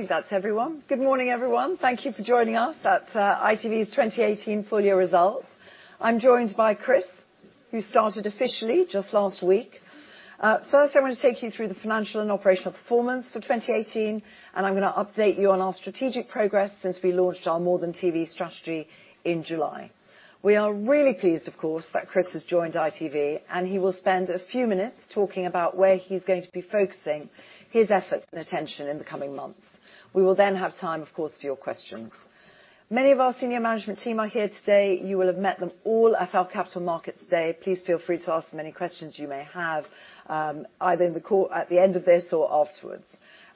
I think that's everyone. Good morning, everyone. Thank you for joining us at ITV's 2018Full-Year Results. I'm joined by Chris, who started officially just last week. First, I want to take you through the financial and operational performance for 2018. I'm going to update you on our strategic progress since we launched our More Than TV strategy in July. We are really pleased, of course, that Chris has joined ITV, and he will spend a few minutes talking about where he's going to be focusing his efforts and attention in the coming months. We will have time, of course, for your questions. Many of our senior management team are here today. You will have met them all at our Capital Markets Day. Please feel free to ask them any questions you may have, either at the end of this or afterwards.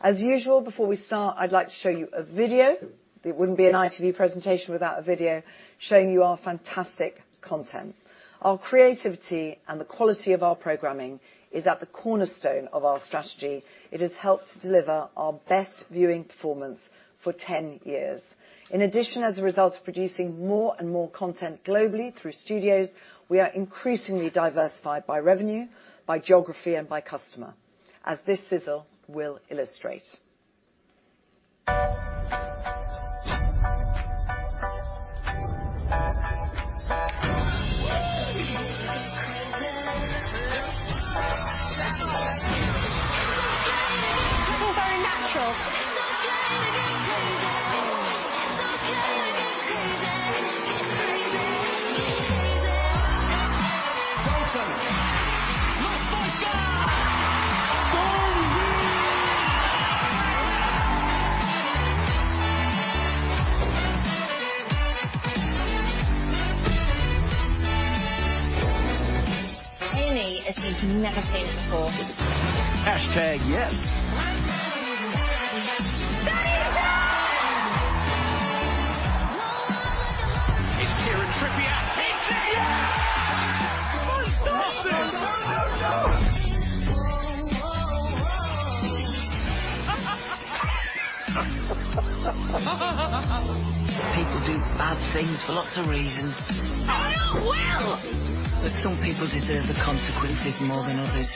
As usual, before we start, I'd like to show you a video, it wouldn't be an ITV presentation without a video, showing you our fantastic content. Our creativity and the quality of our programming is at the cornerstone of our strategy. It has helped to deliver our best viewing performance for 10 years. In addition, as a result of producing more and more content globally through studios, we are increasingly diversified by revenue, by geography, and by customer, as this sizzle will illustrate. Joseph. Moscas. [inaudible] Amy as you've never seen her before. Hashtag yes. It's Kieran. [inaudible] People do bad things for lots of reasons. I don't will. Some people deserve the consequences more than others.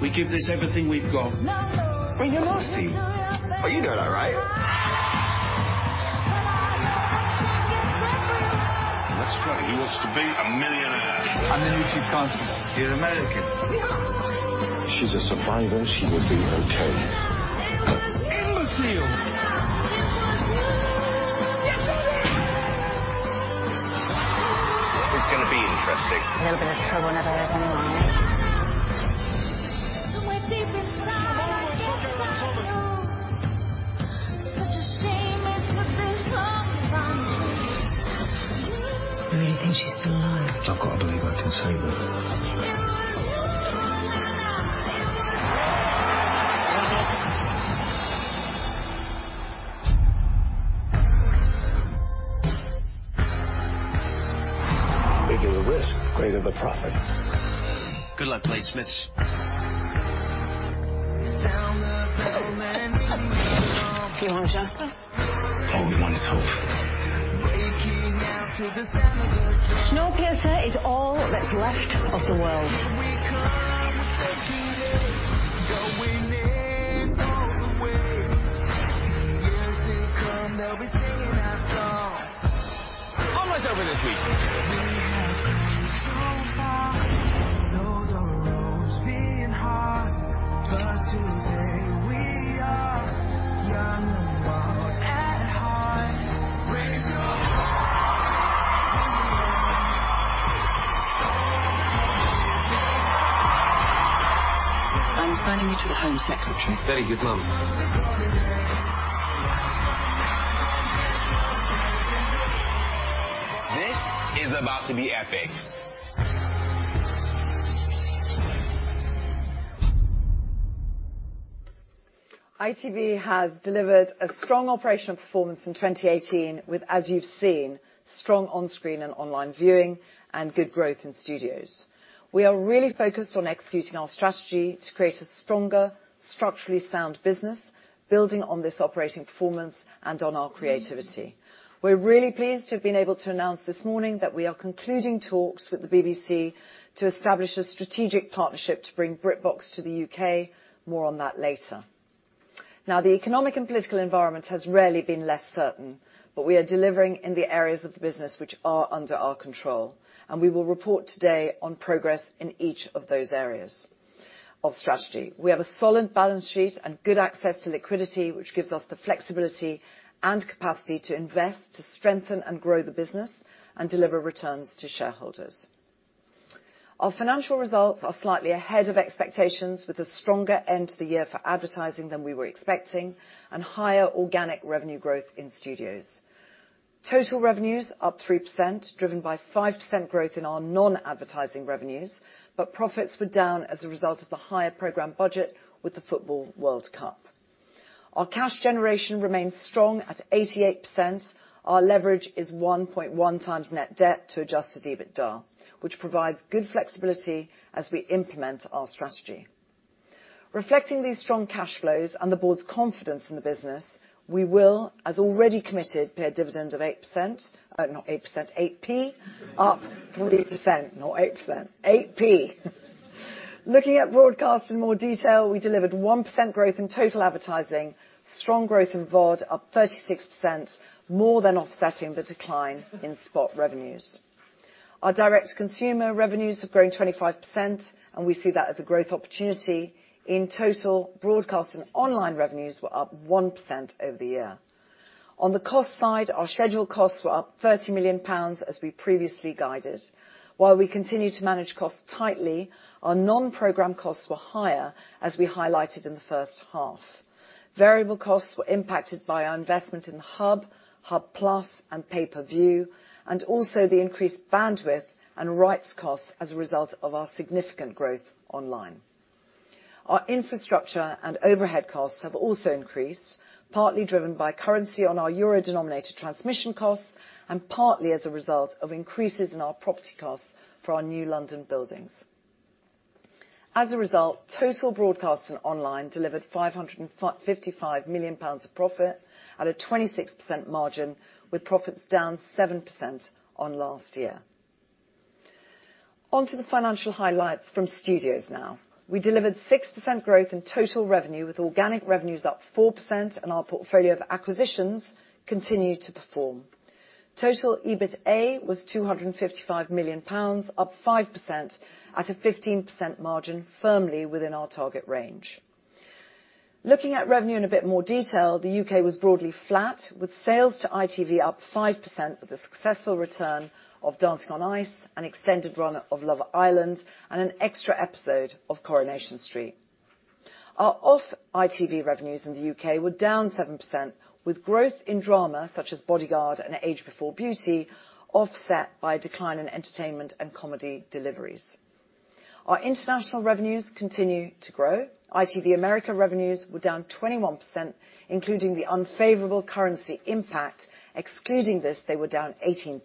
We give this everything we've got. ell, you're nasty. Oh, you're doing all right. Let's play Who Wants to Be a Millionaire? I'm the new chief constable. You're American. She's a survivor. She will be okay. [inaudible] It's going to be interesting. A little bit of trouble never hurt anyone, eh? Tomorrow we're talking about [inaudible] You really think she's still alive? I've got to believe I can save her. Bigger the risk, greater the profit. Good luck, bladesmiths. You want justice? All we want is hope. Snowpiercer is all that's left of the world. Almost over this week. I'm assigning you to the Home Secretary. Very good. [inaudible] This is about to be epic. ITV has delivered a strong operational performance in 2018 with, as you've seen, strong onscreen and online viewing and good growth in studios. We are really focused on executing our strategy to create a stronger, structurally sound business, building on this operating performance and on our creativity. We're really pleased to have been able to announce this morning that we are concluding talks with the BBC to establish a strategic partnership to bring BritBox to the U.K. More on that later. The economic and political environment has rarely been less certain, we are delivering in the areas of the business which are under our control, and we will report today on progress in each of those areas of strategy. We have a solid balance sheet and good access to liquidity, which gives us the flexibility and capacity to invest, to strengthen and grow the business, and deliver returns to shareholders. Our financial results are slightly ahead of expectations with a stronger end to the year for advertising than we were expecting and higher organic revenue growth in studios. Total revenues up 3%, driven by 5% growth in our non-advertising revenues, but profits were down as a result of the higher program budget with the football World Cup. Our cash generation remains strong at 88%. Our leverage is 1.1x net debt to adjusted EBITDA, which provides good flexibility as we implement our strategy. Reflecting these strong cash flows and the board's confidence in the business, we will, as already committed, pay a dividend of 8%, not 8%, 0.08, up, [inaudible] not 8%, 0.08. Looking at broadcast in more detail, we delivered 1% growth in total advertising, strong growth in VOD, up 36%, more than offsetting the decline in spot revenues. Our direct consumer revenues have grown 25%, and we see that as a growth opportunity. In total, broadcast and online revenues were up 1% over the year. On the cost side, our scheduled costs were up 30 million pounds, as we previously guided. While we continue to manage costs tightly, our non-program costs were higher, as we highlighted in the first half. Variable costs were impacted by our investment in Hub+, and pay-per-view, and also the increased bandwidth and rights costs as a result of our significant growth online. Our infrastructure and overhead costs have also increased, partly driven by currency on our Euro-denominated transmission costs, and partly as a result of increases in our property costs for our new London buildings. As a result, total broadcast and online delivered 555 million pounds of profit at a 26% margin, with profits down 7% on last year. On to the financial highlights from studios now. We delivered 6% growth in total revenue, with organic revenues up 4%, and our portfolio of acquisitions continue to perform. Total EBITA was 255 million pounds, up 5%, at a 15% margin, firmly within our target range. Looking at revenue in a bit more detail, the U.K. was broadly flat, with sales to ITV up 5% with the successful return of Dancing on Ice, an extended run of Love Island, and an extra episode of Coronation Street. Our off-ITV revenues in the U.K. were down 7%, with growth in drama such as Bodyguard and Age Before Beauty, offset by a decline in entertainment and comedy deliveries. Our international revenues continue to grow. ITV America revenues were down 21%, including the unfavorable currency impact. Excluding this, they were down 18%.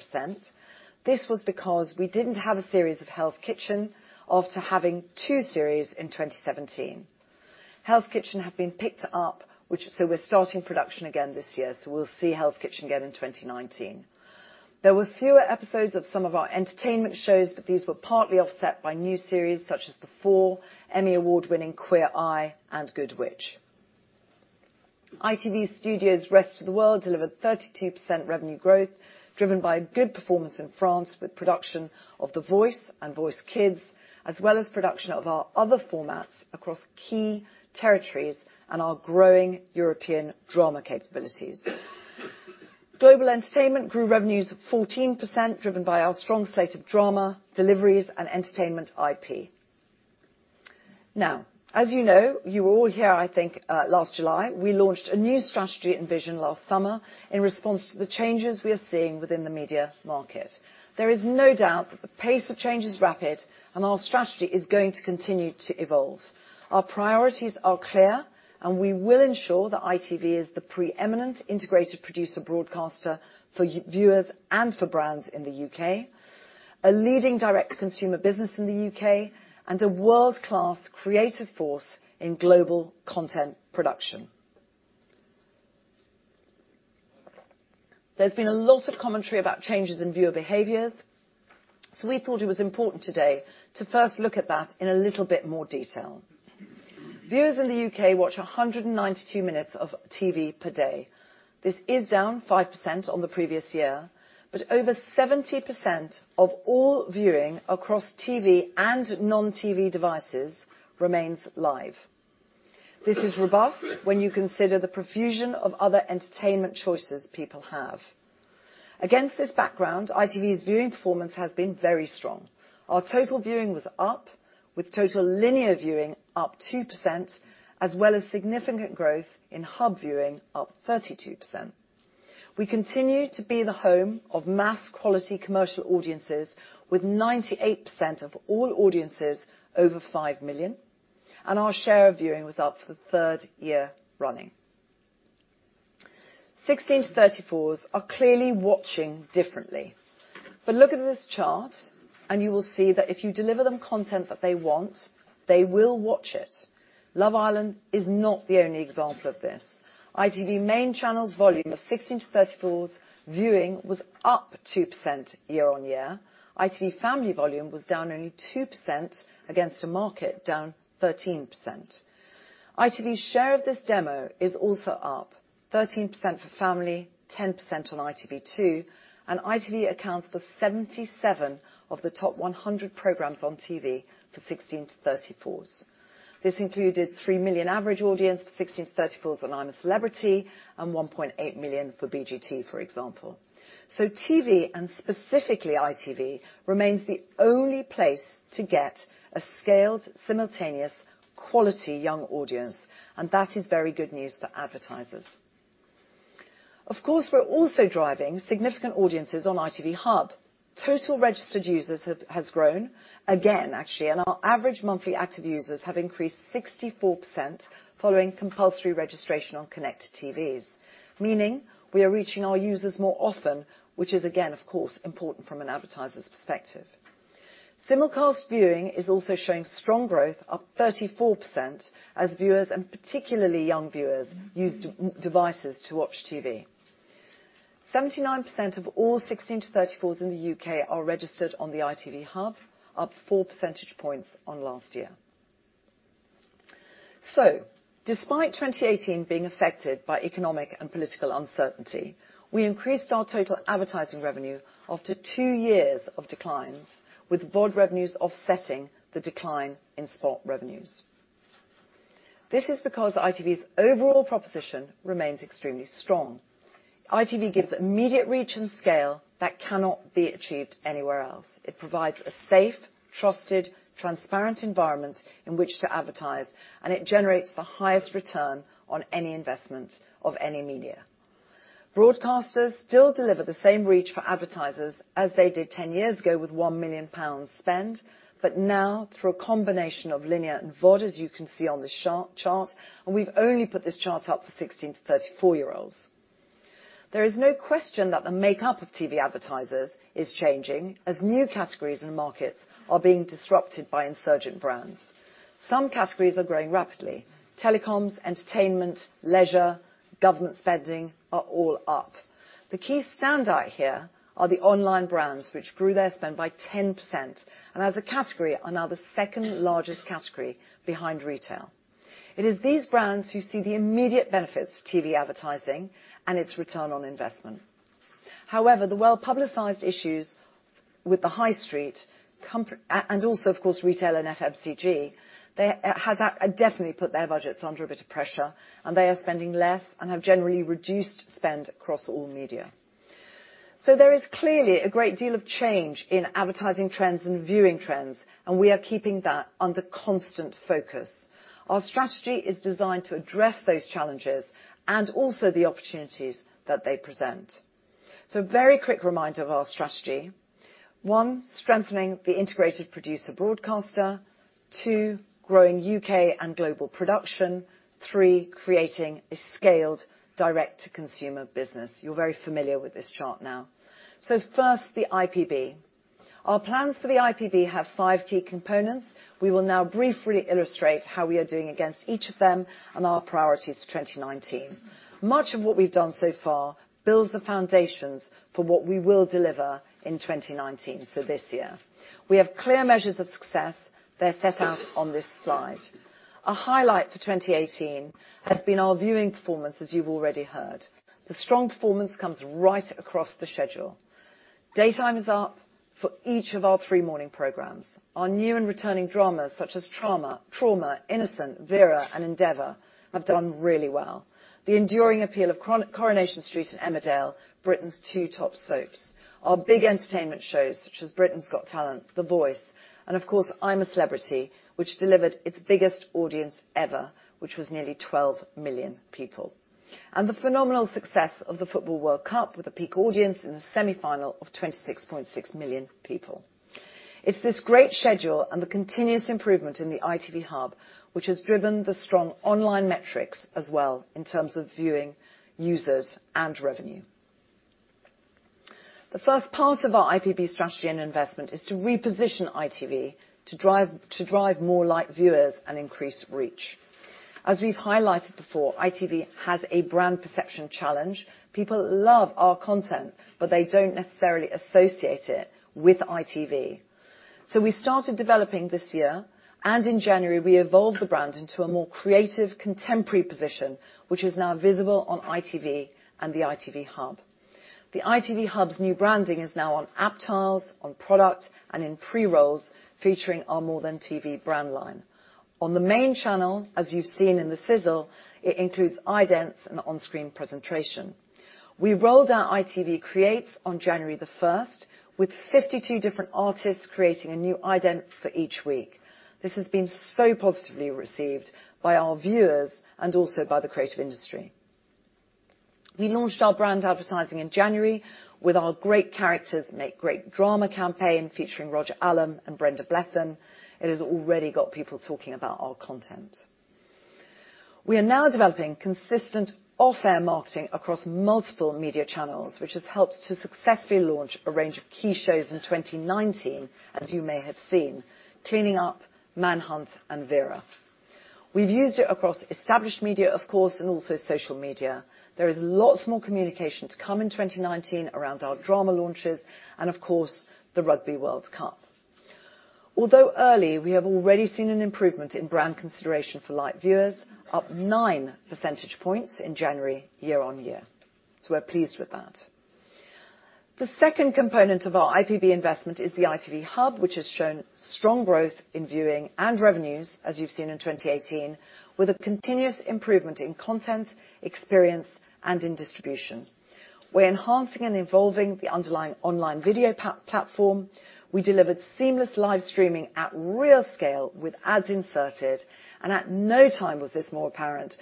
This was because we didn't have a series of Hell's Kitchen after having two series in 2017. Hell's Kitchen has been picked up, so we're starting production again this year, so we'll see Hell's Kitchen again in 2019. There were fewer episodes of some of our entertainment shows, but these were partly offset by new series such as The Fall, Emmy Award-winning Queer Eye, and Good Witch. ITV Studios rest of the world delivered 32% revenue growth, driven by a good performance in France with production of The Voice and The Voice Kids, as well as production of our other formats across key territories and our growing European drama capabilities. Global entertainment grew revenues 14%, driven by our strong slate of drama, deliveries, and entertainment IP. As you know, you were all here last July, we launched a new strategy envision last summer in response to the changes we are seeing within the media market. There is no doubt that the pace of change is rapid. Our strategy is going to continue to evolve. Our priorities are clear. We will ensure that ITV is the preeminent integrated producer broadcaster for viewers and for brands in the U.K., a leading direct consumer business in the U.K., and a world-class creative force in global content production. There's been a lot of commentary about changes in viewer behaviors. We thought it was important today to first look at that in a little bit more detail. Viewers in the U.K. watch 192 minutes of TV per day. This is down 5% on the previous year. Over 70% of all viewing across TV and non-TV devices remains live. This is robust when you consider the profusion of other entertainment choices people have. Against this background, ITV's viewing performance has been very strong. Our total viewing was up, with total linear viewing up 2%, as well as significant growth in Hub viewing up 32%. We continue to be the home of mass quality commercial audiences with 98% of all audiences over five million. Our share of viewing was up for the third year running. 16-34s are clearly watching differently. Look at this chart. You will see that if you deliver them content that they want, they will watch it. Love Island is not the only example of this. ITV main channel's volume of 16-34s viewing was up 2% year-on-year. ITV family volume was down only 2% against a market down 13%. ITV's share of this demo is also up 13% for family, 10% on ITV2, and ITV accounts for 77 of the top 100 programs on TV for 16-34s. This included three million average audience for 16-34s on I'm a Celebrity and 1.8 million for BGT, for example. TV, and specifically ITV, remains the only place to get a scaled, simultaneous, quality young audience, and that is very good news for advertisers. Of course, we're also driving significant audiences on ITV Hub. Total registered users has grown, again, actually, and our average monthly active users have increased 64% following compulsory registration on connected TVs, meaning we are reaching our users more often, which is again, of course, important from an advertiser's perspective. Simulcast viewing is also showing strong growth, up 34%, as viewers, and particularly young viewers, use devices to watch TV. 79% of all 16-34s in the U.K. are registered on the ITV Hub, up four percentage points on last year. Despite 2018 being affected by economic and political uncertainty, we increased our total advertising revenue after two years of declines, with VOD revenues offsetting the decline in spot revenues. This is because ITV's overall proposition remains extremely strong. ITV gives immediate reach and scale that cannot be achieved anywhere else. It provides a safe, trusted, transparent environment in which to advertise. It generates the highest return on any investment of any media. Broadcasters still deliver the same reach for advertisers as they did 10 years ago with 1 million pounds spend, but now through a combination of linear and VOD, as you can see on this chart. We've only put this chart up for 16-34-year-olds. There is no question that the makeup of TV advertisers is changing as new categories and markets are being disrupted by insurgent brands. Some categories are growing rapidly. Telecoms, entertainment, leisure, government spending are all up. The key standout here are the online brands, which grew their spend by 10%, and as a category, are now the second-largest category behind retail. It is these brands who see the immediate benefits of TV advertising and its return on investment. However, the well-publicized issues with the high street, also, of course, retail and FMCG, has definitely put their budgets under a bit of pressure. They are spending less and have generally reduced spend across all media. There is clearly a great deal of change in advertising trends and viewing trends. We are keeping that under constant focus. Our strategy is designed to address those challenges and also the opportunities that they present. Very quick reminder of our strategy. One, strengthening the integrated producer broadcaster. Two, growing U.K. and global production. Three, creating a scaled direct-to-consumer business. You're very familiar with this chart now. First, the IPB. Our plans for the IPB have five key components. We will now briefly illustrate how we are doing against each of them and our priorities for 2019. Much of what we've done so far builds the foundations for what we will deliver in 2019, this year. We have clear measures of success. They're set out on this slide. A highlight for 2018 has been our viewing performance, as you've already heard. The strong performance comes right across the schedule. Daytime is up for each of our three morning programs. Our new and returning dramas such as Trauma, Innocent, Vera, and Endeavour have done really well. The enduring appeal of Coronation Street and Emmerdale, Britain's two top soaps. Our big entertainment shows such as Britain's Got Talent, The Voice, and of course, I'm a Celebrity, which delivered its biggest audience ever, which was nearly 12 million people. The phenomenal success of the Football World Cup, with a peak audience in the semifinal of 26.6 million people. It's this great schedule and the continuous improvement in the ITV Hub which has driven the strong online metrics as well, in terms of viewing, users, and revenue. The first part of our IPB strategy and investment is to reposition ITV to drive more light viewers and increase reach. As we've highlighted before, ITV has a brand perception challenge. People love our content, they don't necessarily associate it with ITV. We started developing this year, and in January, we evolved the brand into a more creative, contemporary position, which is now visible on ITV and the ITV Hub. The ITV Hub's new branding is now on app tiles, on product, and in pre-rolls featuring our More Than TV brand line. On the main channel, as you've seen in the sizzle, it includes idents and onscreen presentation. We rolled out ITV Creates on January the 1st, with 52 different artists creating a new ident for each week. This has been so positively received by our viewers and also by the creative industry. We launched our brand advertising in January with our Great Characters Make Great Drama campaign, featuring Roger Allam and Brenda Blethyn. It has already got people talking about our content. We are now developing consistent off-air marketing across multiple media channels, which has helped to successfully launch a range of key shows in 2019, as you may have seen, Cleaning Up, Manhunt, and Vera. We've used it across established media, of course, and also social media. There is lots more communication to come in 2019 around our drama launches and of course, the Rugby World Cup. Although early, we have already seen an improvement in brand consideration for light viewers, up nine percentage points in January year-over-year. We're pleased with that. The second component of our IPB investment is the ITV Hub, which has shown strong growth in viewing and revenues, as you've seen in 2018, with a continuous improvement in content, experience, and in distribution. We're enhancing and evolving the underlying online video platform. We delivered seamless live streaming at real scale with ads inserted, and at no time was this more apparent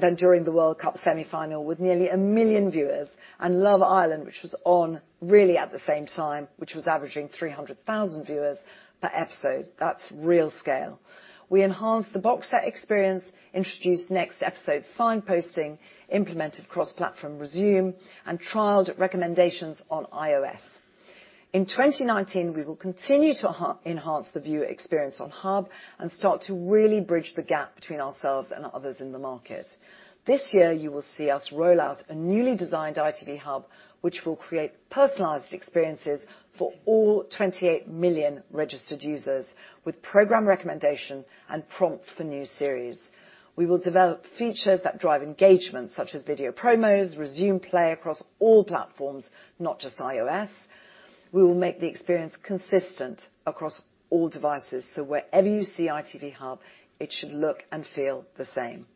than during the World Cup semifinal with nearly a million viewers, and Love Island, which was on really at the same time, which was averaging 300,000 viewers per episode. That's real scale. We enhanced the box set experience, introduced next episode signposting, implemented cross-platform resume, and trialed recommendations on iOS. In 2019, we will continue to enhance the viewer experience on Hub and start to really bridge the gap between ourselves and others in the market. This year, you will see us roll out a newly designed ITV Hub, which will create personalized experiences for all 28 million registered users with program recommendation and prompts for new series. We will develop features that drive engagement, such as video promos, resume play across all platforms, not just iOS. We will make the experience consistent across all devices, so wherever you see ITV Hub, it should look and feel the same.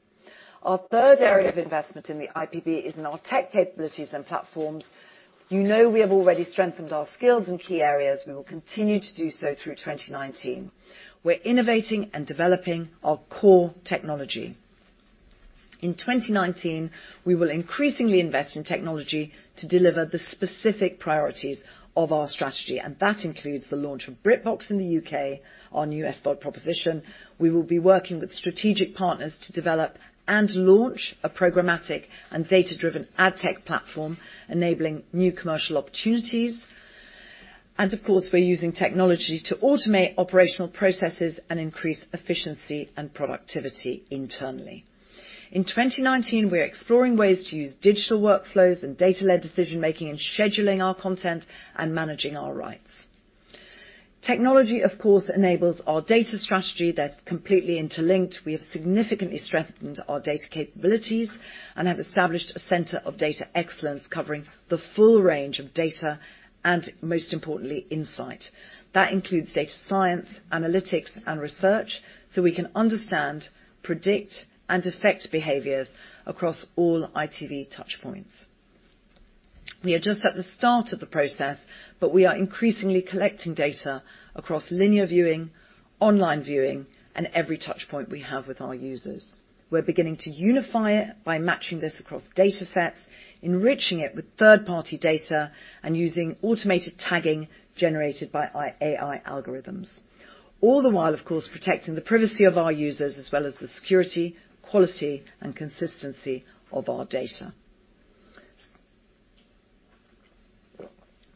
Our third area of investment in the IPB is in our tech capabilities and platforms. You know, we have already strengthened our skills in key areas. We will continue to do so through 2019. We're innovating and developing our core technology. In 2019, we will increasingly invest in technology to deliver the specific priorities of our strategy. That includes the launch of BritBox in the U.K., our new SVOD proposition. We will be working with strategic partners to develop and launch a programmatic and data-driven ad tech platform, enabling new commercial opportunities. Of course, we're using technology to automate operational processes and increase efficiency and productivity internally. In 2019, we're exploring ways to use digital workflows and data-led decision-making in scheduling our content and managing our rights. Technology, of course, enables our data strategy. They're completely interlinked. We have significantly strengthened our data capabilities and have established a center of data excellence covering the full range of data and, most importantly, insight. That includes data science, analytics, and research, so we can understand, predict, and affect behaviors across all ITV touchpoints. We are just at the start of the process, but we are increasingly collecting data across linear viewing, online viewing, and every touchpoint we have with our users. We're beginning to unify it by matching this across data sets, enriching it with third-party data, and using automated tagging generated by AI algorithms. All the while, of course, protecting the privacy of our users as well as the security, quality, and consistency of our data.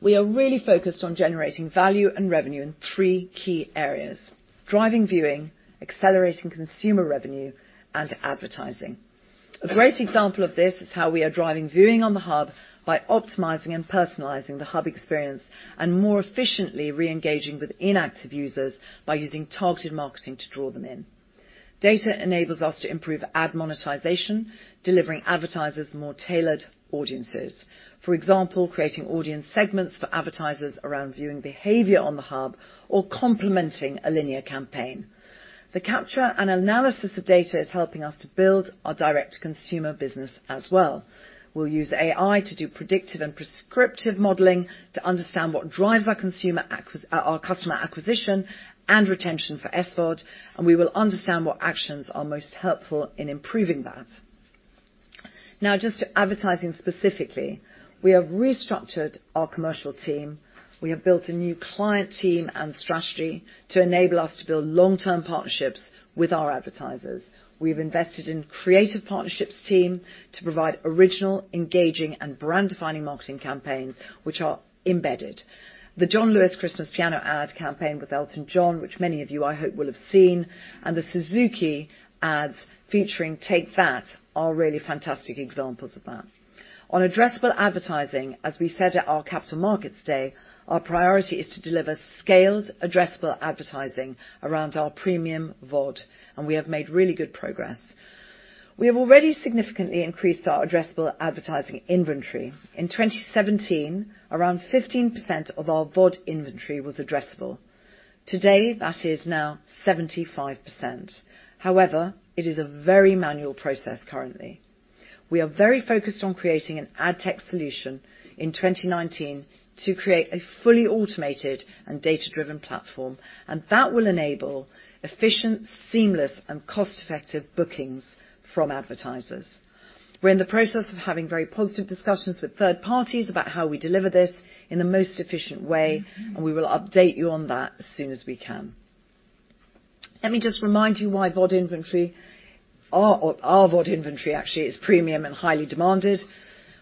We are really focused on generating value and revenue in three key areas: driving viewing, accelerating consumer revenue, and advertising. A great example of this is how we are driving viewing on the Hub by optimizing and personalizing the Hub experience and more efficiently re-engaging with inactive users by using targeted marketing to draw them in. Data enables us to improve ad monetization, delivering advertisers more tailored audiences. For example, creating audience segments for advertisers around viewing behavior on the Hub or complementing a linear campaign. The capture and analysis of data is helping us to build our direct consumer business as well. We'll use AI to do predictive and prescriptive modeling to understand what drives our customer acquisition and retention for SVOD. We will understand what actions are most helpful in improving that. Now, just to advertising specifically, we have restructured our commercial team. We have built a new client team and strategy to enable us to build long-term partnerships with our advertisers. We've invested in creative partnerships team to provide original, engaging, and brand-defining marketing campaigns which are embedded. The John Lewis Christmas piano ad campaign with Elton John, which many of you I hope will have seen, and the Suzuki ads featuring Take That are really fantastic examples of that. On addressable advertising, as we said at our Capital Markets Day, our priority is to deliver scaled addressable advertising around our premium VOD, and we have made really good progress. We have already significantly increased our addressable advertising inventory. In 2017, around 15% of our VOD inventory was addressable. Today, that is now 75%. However, it is a very manual process currently. We are very focused on creating an ad tech solution in 2019 to create a fully automated and data-driven platform, and that will enable efficient, seamless, and cost-effective bookings from advertisers. We're in the process of having very positive discussions with third parties about how we deliver this in the most efficient way, and we will update you on that as soon as we can. Let me just remind you why our VOD inventory actually is premium and highly demanded.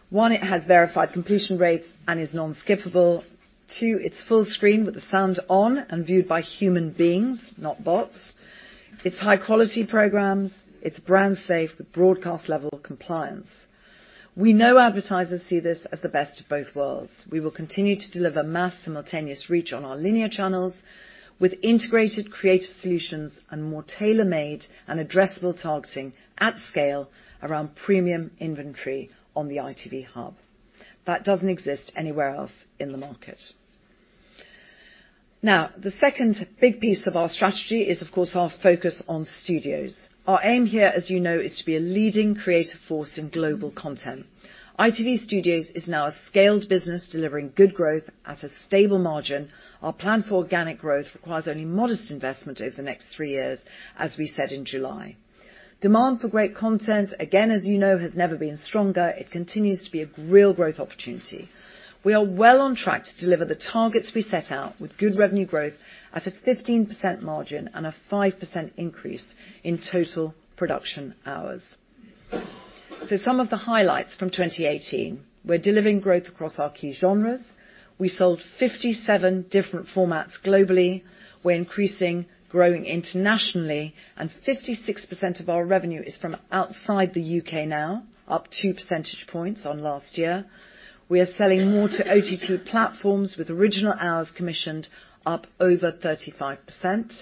One, it has verified completion rates and is non-skippable. Two, it's full screen with the sound on and viewed by human beings, not bots. It's high-quality programs. It's brand safe with broadcast-level compliance. We know advertisers see this as the best of both worlds. We will continue to deliver mass simultaneous reach on our linear channels with integrated creative solutions and more tailor-made and addressable targeting at scale around premium inventory on the ITV Hub. That doesn't exist anywhere else in the market. Now, the second big piece of our strategy is, of course, our focus on studios. Our aim here, as you know, is to be a leading creative force in global content. ITV Studios is now a scaled business delivering good growth at a stable margin. Our plan for organic growth requires only modest investment over the next three years, as we said in July. Demand for great content, again, as you know, has never been stronger. It continues to be a real growth opportunity. We are well on track to deliver the targets we set out with good revenue growth at a 15% margin and a 5% increase in total production hours. Some of the highlights from 2018. We're delivering growth across our key genres. We sold 57 different formats globally. We're increasing, growing internationally, and 56% of our revenue is from outside the U.K. now, up 2 percentage points on last year. We are selling more to OTT platforms with original hours commissioned up over 35%.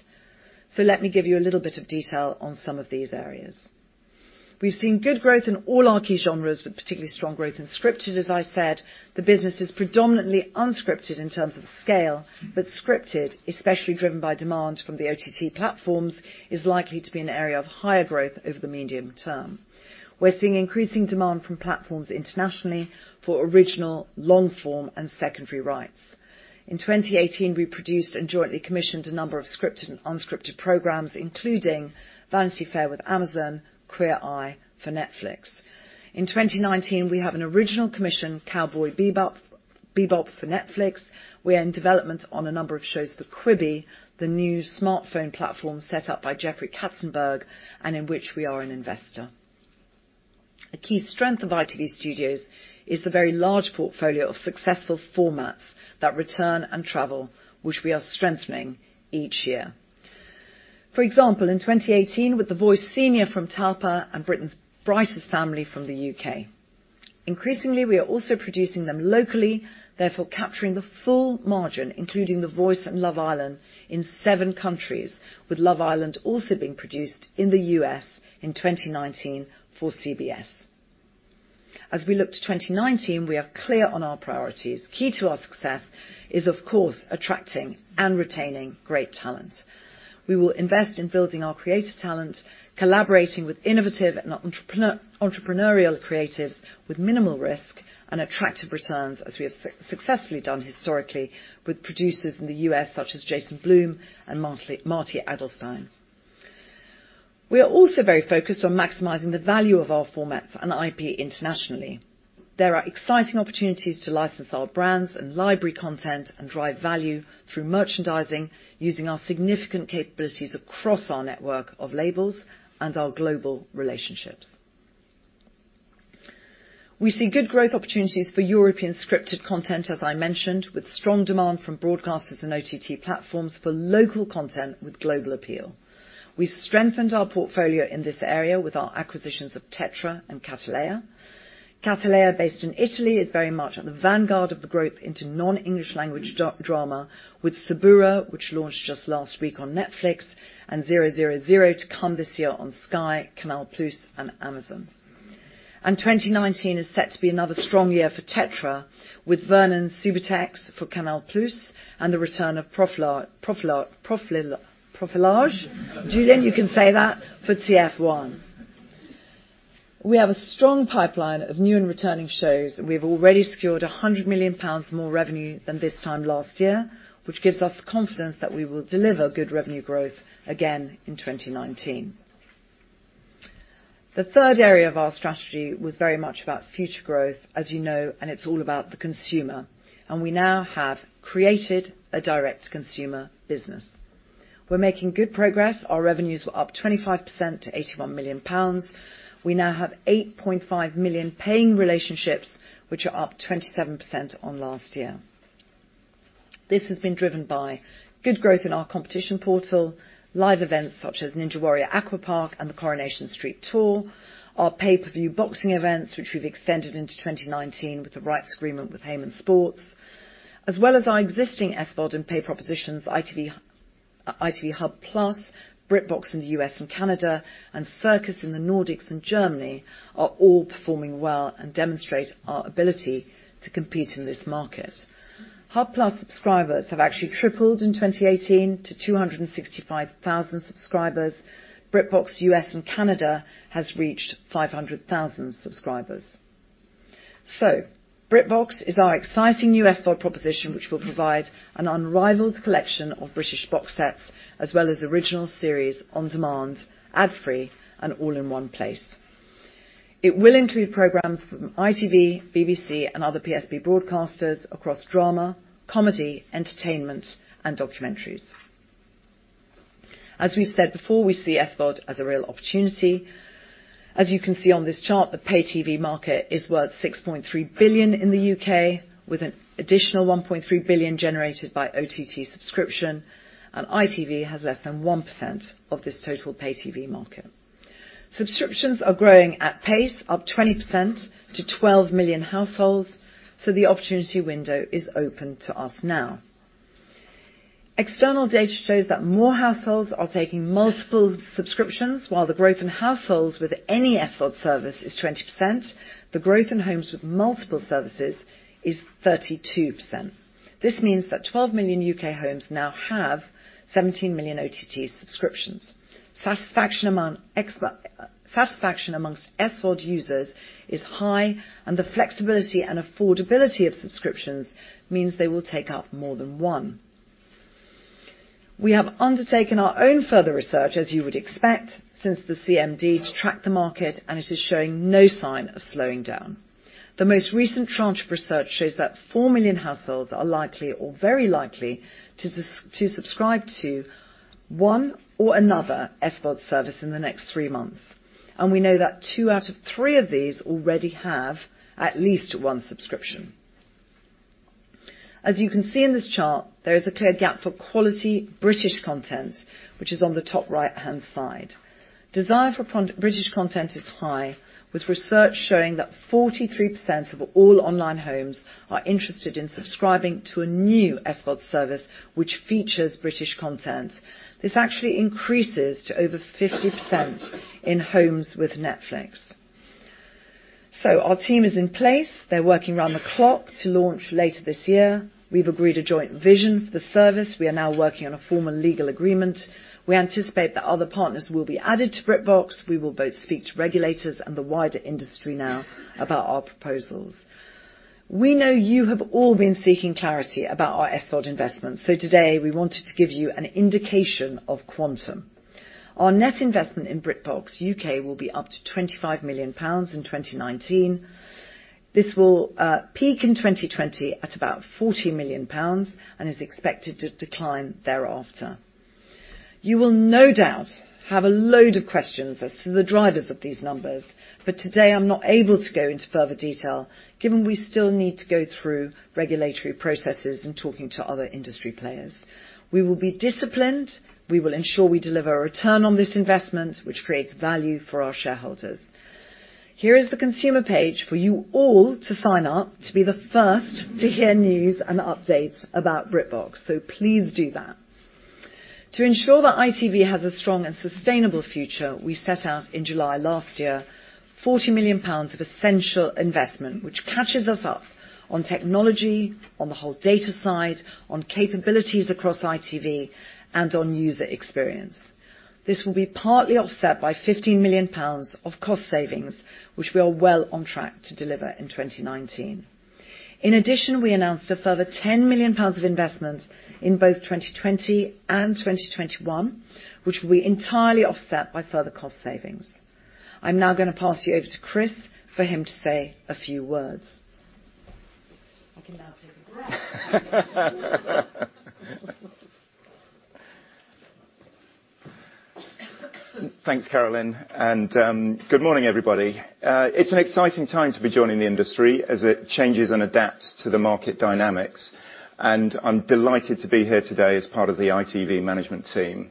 Let me give you a little bit of detail on some of these areas. We've seen good growth in all our key genres, with particularly strong growth in scripted, as I said. The business is predominantly unscripted in terms of scale, but scripted, especially driven by demand from the OTT platforms, is likely to be an area of higher growth over the medium term. We're seeing increasing demand from platforms internationally for original, long-form, and secondary rights. In 2018, we produced and jointly commissioned a number of scripted and unscripted programs, including Vanity Fair with Amazon, Queer Eye for Netflix. In 2019, we have an original commission, Cowboy Bebop for Netflix. We are in development on a number of shows for Quibi, the new smartphone platform set up by Jeffrey Katzenberg, and in which we are an investor. A key strength of ITV Studios is the very large portfolio of successful formats that return and travel, which we are strengthening each year. For example, in 2018, with The Voice Senior from Talpa and Britain's Brightest Family from the U.K. Increasingly, we are also producing them locally, therefore capturing the full margin, including The Voice and Love Island, in seven countries, with Love Island also being produced in the U.S. in 2019 for CBS. As we look to 2019, we are clear on our priorities. Key to our success is, of course, attracting and retaining great talent. We will invest in building our creative talent, collaborating with innovative and entrepreneurial creatives with minimal risk and attractive returns, as we have successfully done historically with producers in the U.S. such as Jason Blum and Marty Adelstein. We are also very focused on maximizing the value of our formats and IP internationally. There are exciting opportunities to license our brands and library content and drive value through merchandising using our significant capabilities across our network of labels and our global relationships. We see good growth opportunities for European scripted content, as I mentioned, with strong demand from broadcasters and OTT platforms for local content with global appeal. We've strengthened our portfolio in this area with our acquisitions of Tetra and Cattleya. Cattleya, based in Italy, is very much at the vanguard of the growth into non-English language drama with Suburra, which launched just last week on Netflix, and ZeroZeroZero to come this year on Sky, Canal+, and Amazon. 2019 is set to be another strong year for Tetra, with Vernon Subutex for Canal+ and the return of Profilage. Julian, you can say that, for TF1. We have a strong pipeline of new and returning shows, and we've already secured 100 million pounds more revenue than this time last year, which gives us confidence that we will deliver good revenue growth again in 2019. The third area of our strategy was very much about future growth, as you know, it's all about the consumer, and we now have created a direct consumer business. We're making good progress. Our revenues were up 25% to 81 million pounds. We now have 8.5 million paying relationships, which are up 27% on last year. This has been driven by good growth in our competition portal, live events such as Ninja Warrior Aqua Park and the Coronation Street Tour, our pay-per-view boxing events, which we've extended into 2019 with the rights agreement with Haymon Sports, as well as our existing SVOD and pay propositions, ITV Hub+, BritBox in the U.S. and Canada, and Cirkus in the Nordics and Germany are all performing well and demonstrate our ability to compete in this market. Hub+ subscribers have actually tripled in 2018 to 265,000 subscribers. BritBox U.S. and Canada has reached 500,000 subscribers. BritBox is our exciting new SVOD proposition, which will provide an unrivaled collection of British box sets as well as original series on demand, ad-free, and all in one place. It will include programs from ITV, BBC, and other PSB broadcasters across drama, comedy, entertainment, and documentaries. As we've said before, we see SVOD as a real opportunity. As you can see on this chart, the pay TV market is worth 6.3 billion in the U.K., with an additional 1.3 billion generated by OTT subscription, and ITV has less than 1% of this total pay TV market. Subscriptions are growing at pace, up 20% to 12 million households, so the opportunity window is open to us now. External data shows that more households are taking multiple subscriptions. While the growth in households with any SVOD service is 20%, the growth in homes with multiple services is 32%. This means that 12 million U.K. homes now have 17 million OTT subscriptions. Satisfaction amongst SVOD users is high, and the flexibility and affordability of subscriptions means they will take up more than one. We have undertaken our own further research, as you would expect, since the CMD to track the market, and it is showing no sign of slowing down. The most recent tranche of research shows that four million households are likely or very likely to subscribe to one or another SVOD service in the next three months, and we know that two out of three of these already have at least one subscription. As you can see in this chart, there is a clear gap for quality British content, which is on the top right-hand side. Desire for British content is high, with research showing that 43% of all online homes are interested in subscribing to a new SVOD service which features British content. This actually increases to over 50% in homes with Netflix. Our team is in place. They're working around the clock to launch later this year. We've agreed a joint vision for the service. We are now working on a formal legal agreement. We anticipate that other partners will be added to BritBox. We will both speak to regulators and the wider industry now about our proposals. We know you have all been seeking clarity about our SVOD investments, today, we wanted to give you an indication of quantum. Our net investment in BritBox U.K. will be up to GBP 25 million in 2019. This will peak in 2020 at about 40 million pounds, and is expected to decline thereafter. You will no doubt have a load of questions as to the drivers of these numbers, Today I'm not able to go into further detail, given we still need to go through regulatory processes and talking to other industry players. We will be disciplined. We will ensure we deliver a return on this investment, which creates value for our shareholders. Here is the consumer page for you all to sign up to be the first to hear news and updates about BritBox, please do that. To ensure that ITV has a strong and sustainable future, we set out in July last year 40 million pounds of essential investment, which catches us up on technology, on the whole data side, on capabilities across ITV, and on user experience. This will be partly offset by GBP 15 million of cost savings, which we are well on track to deliver in 2019. In addition, we announced a further 10 million pounds of investment in both 2020 and 2021, which will be entirely offset by further cost savings. I'm now going to pass you over to Chris for him to say a few words. I can now take a breath. Thanks, Carolyn. Good morning, everybody. It's an exciting time to be joining the industry as it changes and adapts to the market dynamics, I'm delighted to be here today as part of the ITV management team.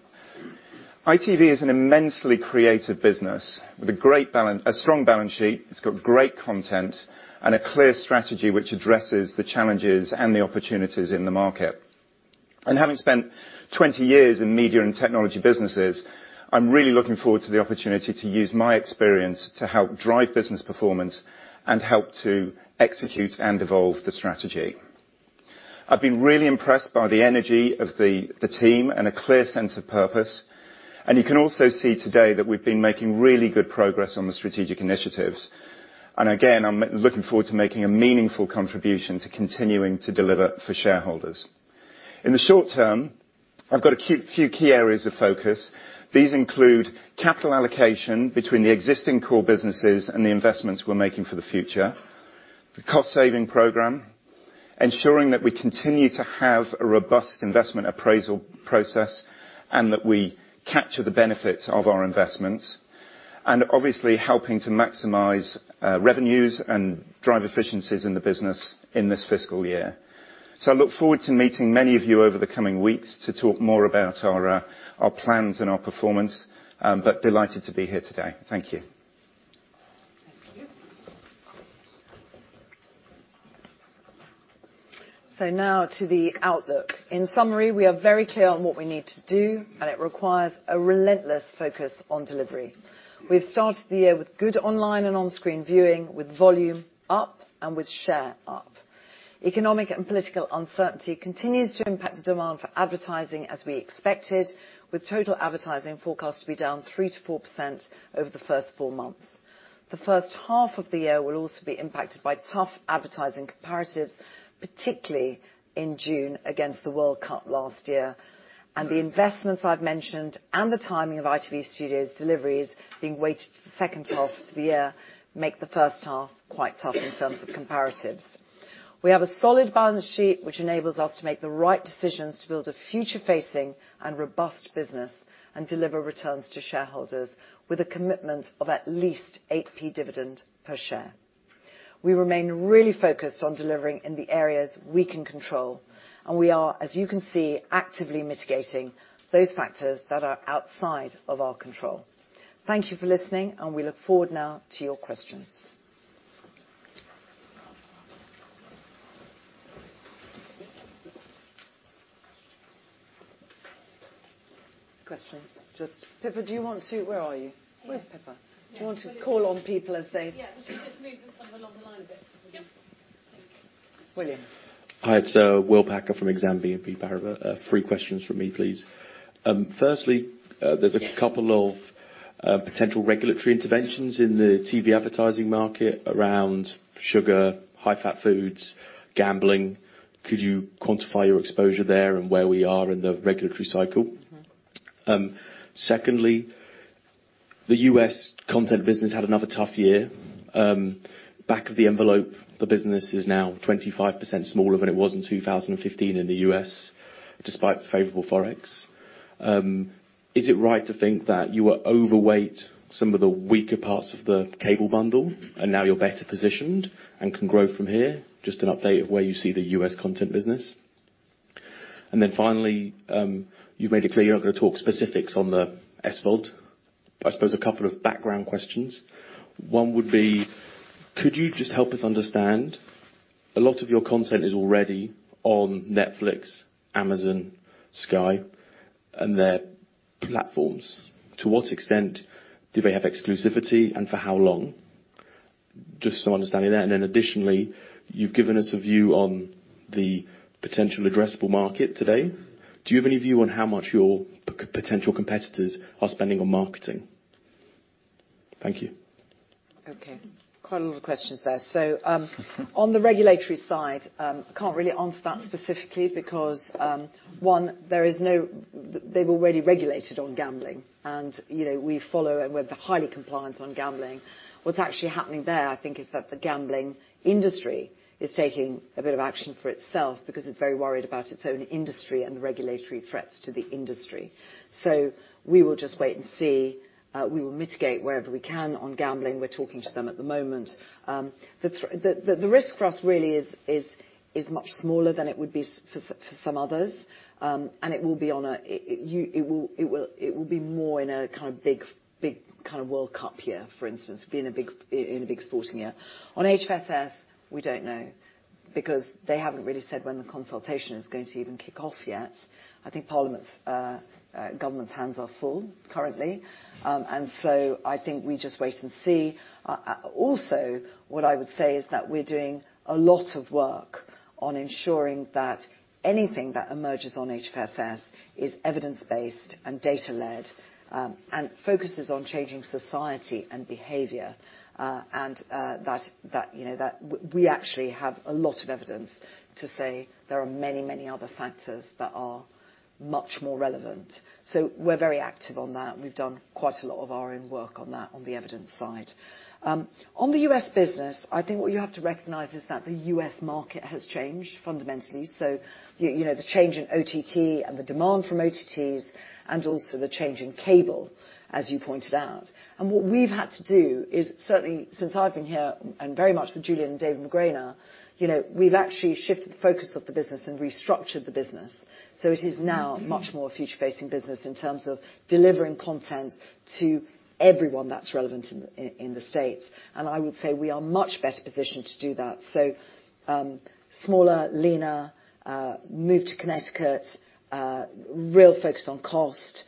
ITV is an immensely creative business with a strong balance sheet. It's got great content and a clear strategy which addresses the challenges and the opportunities in the market. Having spent 20 years in media and technology businesses, I'm really looking forward to the opportunity to use my experience to help drive business performance, and help to execute and evolve the strategy. I've been really impressed by the energy of the team and a clear sense of purpose, you can also see today that we've been making really good progress on the strategic initiatives. Again, I'm looking forward to making a meaningful contribution to continuing to deliver for shareholders. In the short term, I've got a few key areas of focus. These include capital allocation between the existing core businesses and the investments we're making for the future, the cost-saving program, ensuring that we continue to have a robust investment appraisal process, and that we capture the benefits of our investments, and obviously, helping to maximize revenues and drive efficiencies in the business in this fiscal year. I look forward to meeting many of you over the coming weeks to talk more about our plans and our performance, but delighted to be here today. Thank you. Thank you. Now to the outlook. In summary, we are very clear on what we need to do, and it requires a relentless focus on delivery. We've started the year with good online and on-screen viewing, with volume up and with share up. Economic and political uncertainty continues to impact the demand for advertising as we expected, with total advertising forecast to be down 3%-4% over the first four months. The first half of the year will also be impacted by tough advertising comparatives, particularly in June against the World Cup last year. The investments I've mentioned and the timing of ITV Studios deliveries being weighted to the second half of the year make the first half quite tough in terms of comparatives. We have a solid balance sheet, which enables us to make the right decisions to build a future-facing and robust business and deliver returns to shareholders with a commitment of at least 0.08 dividend per share. We remain really focused on delivering in the areas we can control, and we are, as you can see, actively mitigating those factors that are outside of our control. Thank you for listening, and we look forward now to your questions. Questions. Pippa, do you want to Where are you? Where's Pippa? Yeah. Do you want to call on people? Yeah. We should just move them along the line a bit. Brilliant. Hi, it's William Packer from Exane BNP Paribas. Three questions from me, please. Firstly, there's a couple of potential regulatory interventions in the TV advertising market around sugar, high-fat foods, gambling. Could you quantify your exposure there and where we are in the regulatory cycle? Secondly, the U.S. content business had another tough year. Back of the envelope, the business is now 25% smaller than it was in 2015 in the U.S., despite favorable Forex. Is it right to think that you are overweight some of the weaker parts of the cable bundle, and now you're better positioned and can grow from here? Just an update of where you see the U.S. content business. Finally, you've made it clear you're not going to talk specifics on the SVOD. I suppose a couple of background questions. One would be, could you just help us understand, a lot of your content is already on Netflix, Amazon, Sky, and their platforms. To what extent do they have exclusivity, and for how long? Just so I understand that. Additionally, you've given us a view on the potential addressable market today. Do you have any view on how much your potential competitors are spending on marketing? Thank you. Okay. Quite a lot of questions there. On the regulatory side, I can't really answer that specifically because, one, they have already regulated on gambling, and we follow and we are highly compliant on gambling. What's actually happening there, I think, is that the gambling industry is taking a bit of action for itself because it's very worried about its own industry and the regulatory threats to the industry. We will just wait and see. We will mitigate wherever we can on gambling. We are talking to them at the moment. The risk for us really is much smaller than it would be for some others. It will be more in a big kind of World Cup year, for instance, being in a big sporting year. On HFSS, we don't know, because they haven't really said when the consultation is going to even kick off yet. I think government's hands are full currently. I think we just wait and see. Also, what I would say is that we are doing a lot of work on ensuring that anything that emerges on HFSS is evidence-based and data-led, and focuses on changing society and behavior. We actually have a lot of evidence to say there are many other factors that are much more relevant. We are very active on that. We have done quite a lot of our own work on that on the evidence side. On the U.S. business, I think what you have to recognize is that the U.S. market has changed fundamentally. The change in OTT and the demand from OTTs, and also the change in cable, as you pointed out. What we have had to do is, certainly since I have been here, and very much with Julian and Dave McGraynor, we have actually shifted the focus of the business and restructured the business. It is now much more a future-facing business in terms of delivering content to everyone that's relevant in the States. I would say we are much better positioned to do that. Smaller, leaner, moved to Connecticut, real focus on cost.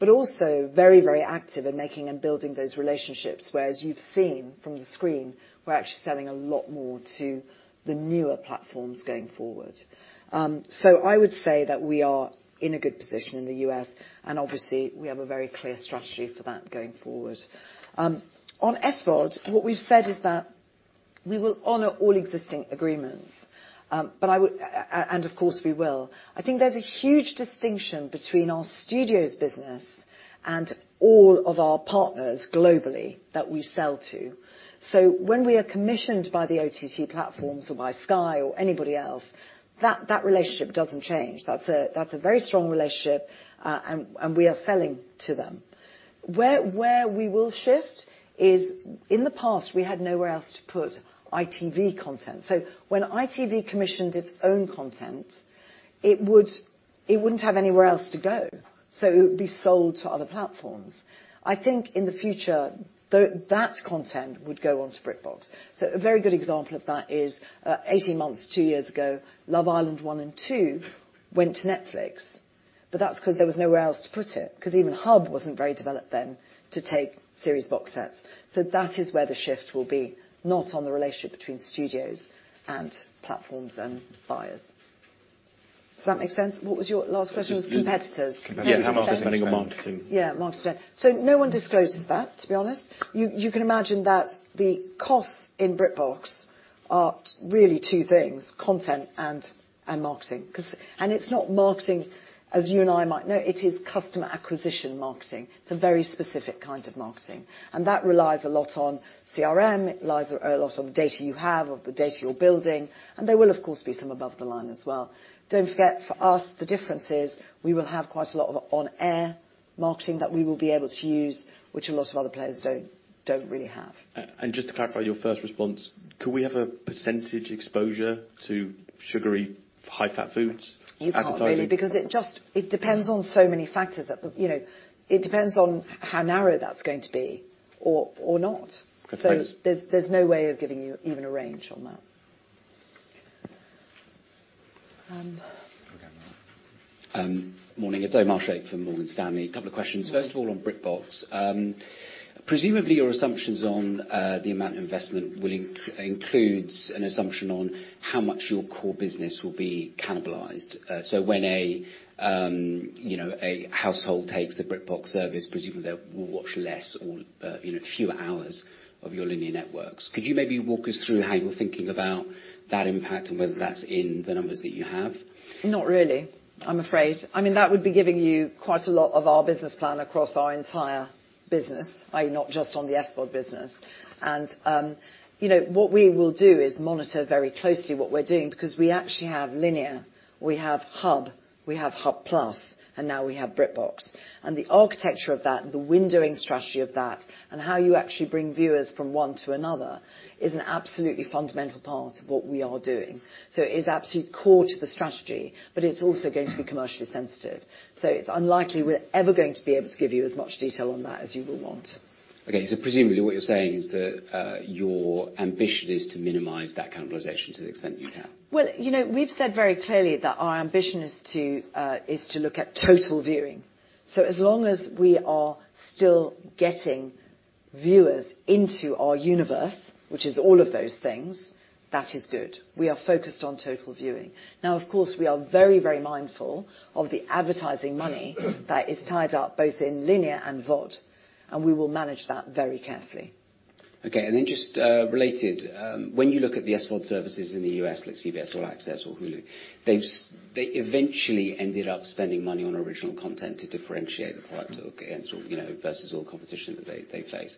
Also very active in making and building those relationships, whereas you've seen from the screen, we are actually selling a lot more to the newer platforms going forward. I would say that we are in a good position in the U.S., and obviously, we have a very clear strategy for that going forward. On SVOD, what we have said is that we will honor all existing agreements. Of course, we will. I think there's a huge distinction between our studios business and all of our partners globally that we sell to. When we are commissioned by the OTT platforms or by Sky or anybody else, that relationship doesn't change. That's a very strong relationship, and we are selling to them. Where we will shift is, in the past, we had nowhere else to put ITV content. When ITV commissioned its own content, it wouldn't have anywhere else to go. It would be sold to other platforms. I think in the future, that content would go onto BritBox. A very good example of that is 18 months, two years ago, "Love Island" one and two went to Netflix. That's because there was nowhere else to put it, because even Hub wasn't very developed then to take series box sets. That is where the shift will be, not on the relationship between studios and platforms and buyers. Does that make sense? What was your last question, was competitors? Yes, how much they're spending on marketing. Marketing. No one discloses that, to be honest. You can imagine that the costs in BritBox are really two things, content and marketing. It's not marketing as you and I might know, it is customer acquisition marketing. It's a very specific kind of marketing. That relies a lot on CRM, it relies a lot on the data you have, of the data you're building, and there will, of course, be some above the line as well. Don't forget, for us, the difference is we will have quite a lot of on-air marketing that we will be able to use, which a lot of other players don't really have. Just to clarify your first response, could we have a percentage exposure to sugary, high-fat foods as a total? You can't really because it depends on so many factors. It depends on how narrow that's going to be or not. I suppose. There's no way of giving you even a range on that. Okay. Morning. It's Omar Sheikh from Morgan Stanley. Couple of questions. First of all, on BritBox. Presumably, your assumptions on the amount of investment includes an assumption on how much your core business will be cannibalized. When a household takes the BritBox service, presumably they will watch less or fewer hours of your linear networks. Could you maybe walk us through how you're thinking about that impact and whether that's in the numbers that you have? Not really, I'm afraid. That would be giving you quite a lot of our business plan across our entire business, i.e. not just on the SVOD business. What we will do is monitor very closely what we're doing because we actually have linear, we have Hub, we have Hub+, and now we have BritBox. The architecture of that and the windowing strategy of that and how you actually bring viewers from one to another is an absolutely fundamental part of what we are doing. It is absolutely core to the strategy, but it's also going to be commercially sensitive. It's unlikely we're ever going to be able to give you as much detail on that as you will want. Okay. Presumably, what you're saying is that your ambition is to minimize that cannibalization to the extent you can. Well, we've said very clearly that our ambition is to look at total viewing. As long as we are still getting viewers into our universe, which is all of those things, that is good. We are focused on total viewing. Of course, we are very, very mindful of the advertising money that is tied up both in linear and VOD, and we will manage that very carefully. Okay. Just related, when you look at the SVOD services in the U.S., like CBS All Access or Hulu, they eventually ended up spending money on original content to differentiate the product against all, versus all competition that they face.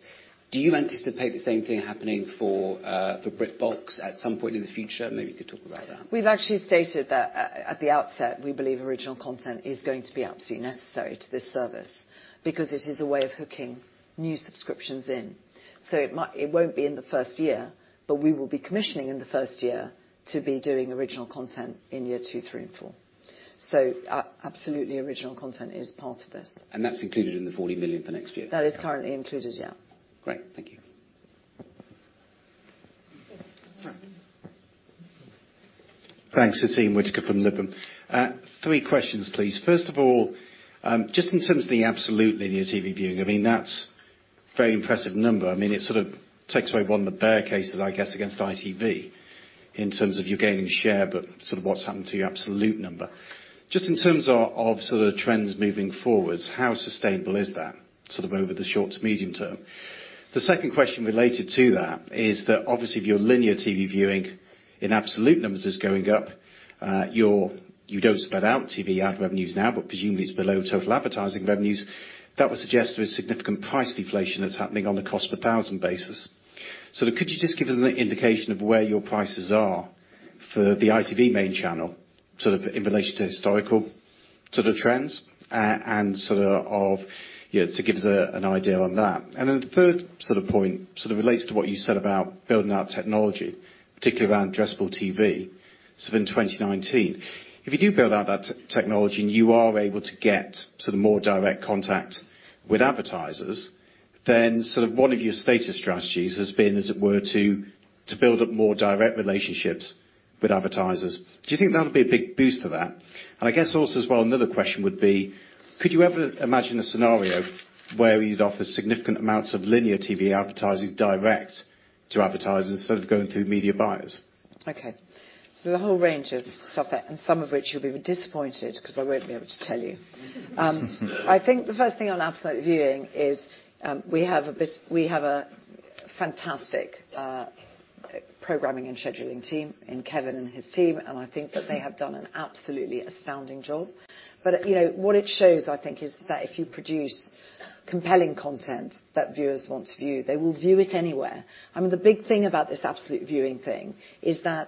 Do you anticipate the same thing happening for BritBox at some point in the future? Maybe you could talk about that. We've actually stated that at the outset, we believe original content is going to be absolutely necessary to this service because it is a way of hooking new subscriptions in. It won't be in the first year, but we will be commissioning in the first year to be doing original content in year two, three, and four. Absolutely original content is part of this. That's included in the 40 million for next year? That is currently included. Yeah. Great. Thank you. Thanks. Ian Whittaker from Liberum. Three questions, please. First of all, just in terms of the absolute linear TV viewing, that's very impressive number. It takes away one of the bear cases, I guess, against ITV in terms of you gaining share, but what's happened to your absolute number. Just in terms of trends moving forwards, how sustainable is that over the short to medium term? The second question related to that is that if your linear TV viewing in absolute numbers is going up, you don't split out TV ad revenues now, but presumably it's below total advertising revenues. That would suggest there is significant price deflation that's happening on a cost per thousand basis. Could you just give us an indication of where your prices are for the ITV main channel, in relation to historical trends and give us an idea on that. The third point relates to what you said about building out technology, particularly around addressable TV in 2019. If you do build out that technology and you are able to get more direct contact with advertisers, one of your stated strategies has been, as it were, to build up more direct relationships with advertisers. Do you think that'll be a big boost to that? I guess also as well, another question would be, could you ever imagine a scenario where you'd offer significant amounts of linear TV advertising direct to advertisers instead of going through media buyers? There's a whole range of stuff and some of which you'll be disappointed because I won't be able to tell you. The first thing on absolute viewing is we have a fantastic programming and scheduling team in Kevin and his team, they have done an absolutely astounding job. What it shows is that if you produce compelling content that viewers want to view, they will view it anywhere. The big thing about this absolute viewing thing is that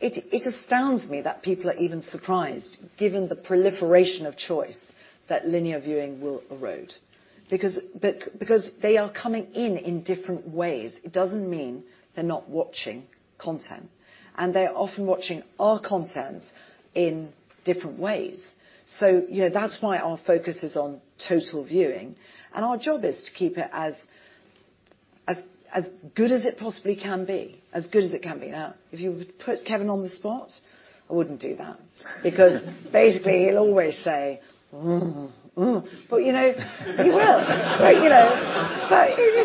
it astounds me that people are even surprised given the proliferation of choice that linear viewing will erode. They are coming in in different ways, it doesn't mean they're not watching content, and they're often watching our content in different ways. That's why our focus is on total viewing, and our job is to keep it as good as it possibly can be. As good as it can be. If you put Kevin on the spot, I wouldn't do that because he'll always say, "Mm. Mm." He will.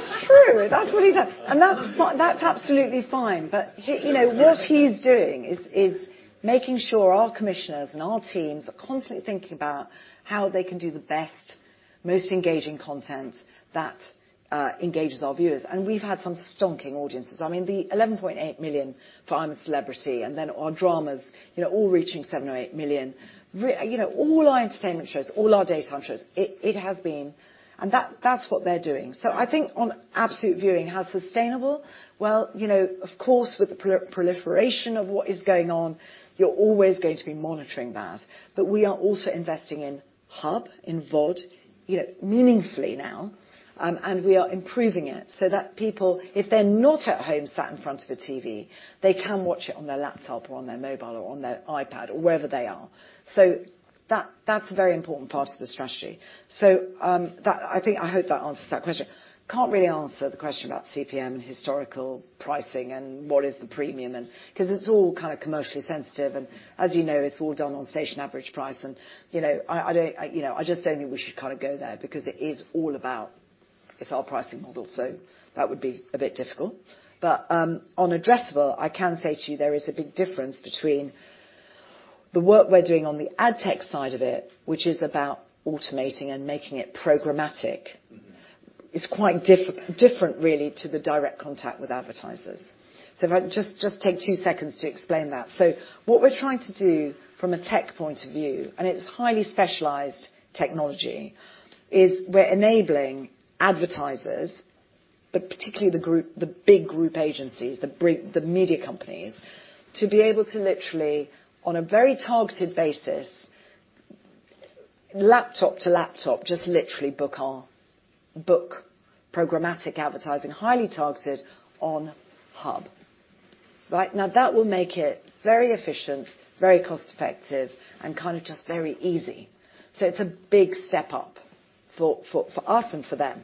It's true. That's what he does, and that's absolutely fine. What he's doing is making sure our commissioners and our teams are constantly thinking about how they can do the best, most engaging content that engages our viewers. We've had some stonking audiences. The 11.8 million for "I'm a Celebrity" and then our dramas all reaching seven or eight million. All our entertainment shows, all our daytime shows, that's what they're doing. On absolute viewing, how sustainable? Of course, with the proliferation of what is going on, you're always going to be monitoring that. We are also investing in Hub, in VOD, meaningfully now, and we are improving it so that people, if they're not at home sat in front of a TV, they can watch it on their laptop or on their mobile or on their iPad or wherever they are. That's a very important part of the strategy. I hope that answers that question. Can't really answer the question about CPM and historical pricing and what is the premium and because it's all kind of commercially sensitive, and as you know, it's all done on station average price. I just don't think we should kind of go there because it is all about, it's our pricing model, so that would be a bit difficult. On addressable, I can say to you there is a big difference between the work we're doing on the ad tech side of it, which is about automating and making it programmatic is quite different really to the direct contact with advertisers. If I can just take two seconds to explain that. What we're trying to do from a tech point of view, and it's highly specialized technology, is we're enabling advertisers, but particularly the big group agencies, the media companies, to be able to literally, on a very targeted basis, laptop to laptop, just literally book programmatic advertising, highly targeted, on Hub, right? That will make it very efficient, very cost effective, and kind of just very easy. It's a big step up for us and for them.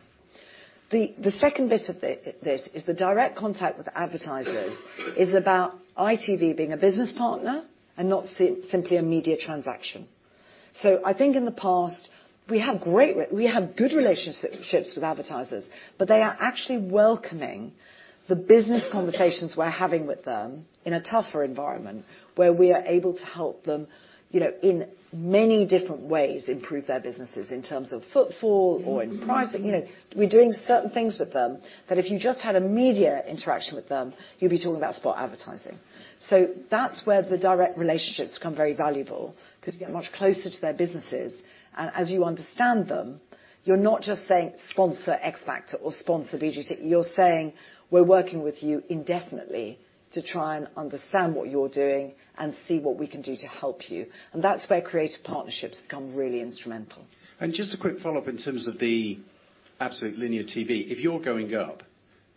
The second bit of this is the direct contact with advertisers is about ITV being a business partner and not simply a media transaction. I think in the past, we have good relationships with advertisers, but they are actually welcoming the business conversations we're having with them in a tougher environment, where we are able to help them in many different ways improve their businesses in terms of footfall or in pricing. We're doing certain things with them that if you just had a media interaction with them, you'd be talking about spot advertising. That's where the direct relationships become very valuable, because you get much closer to their businesses. As you understand them, you're not just saying, "Sponsor 'X Factor'" or, "Sponsor 'BGT.'" You're saying, "We're working with you indefinitely to try and understand what you're doing and see what we can do to help you." That's where creative partnerships become really instrumental. Just a quick follow-up in terms of the absolute linear TV. If you're going up,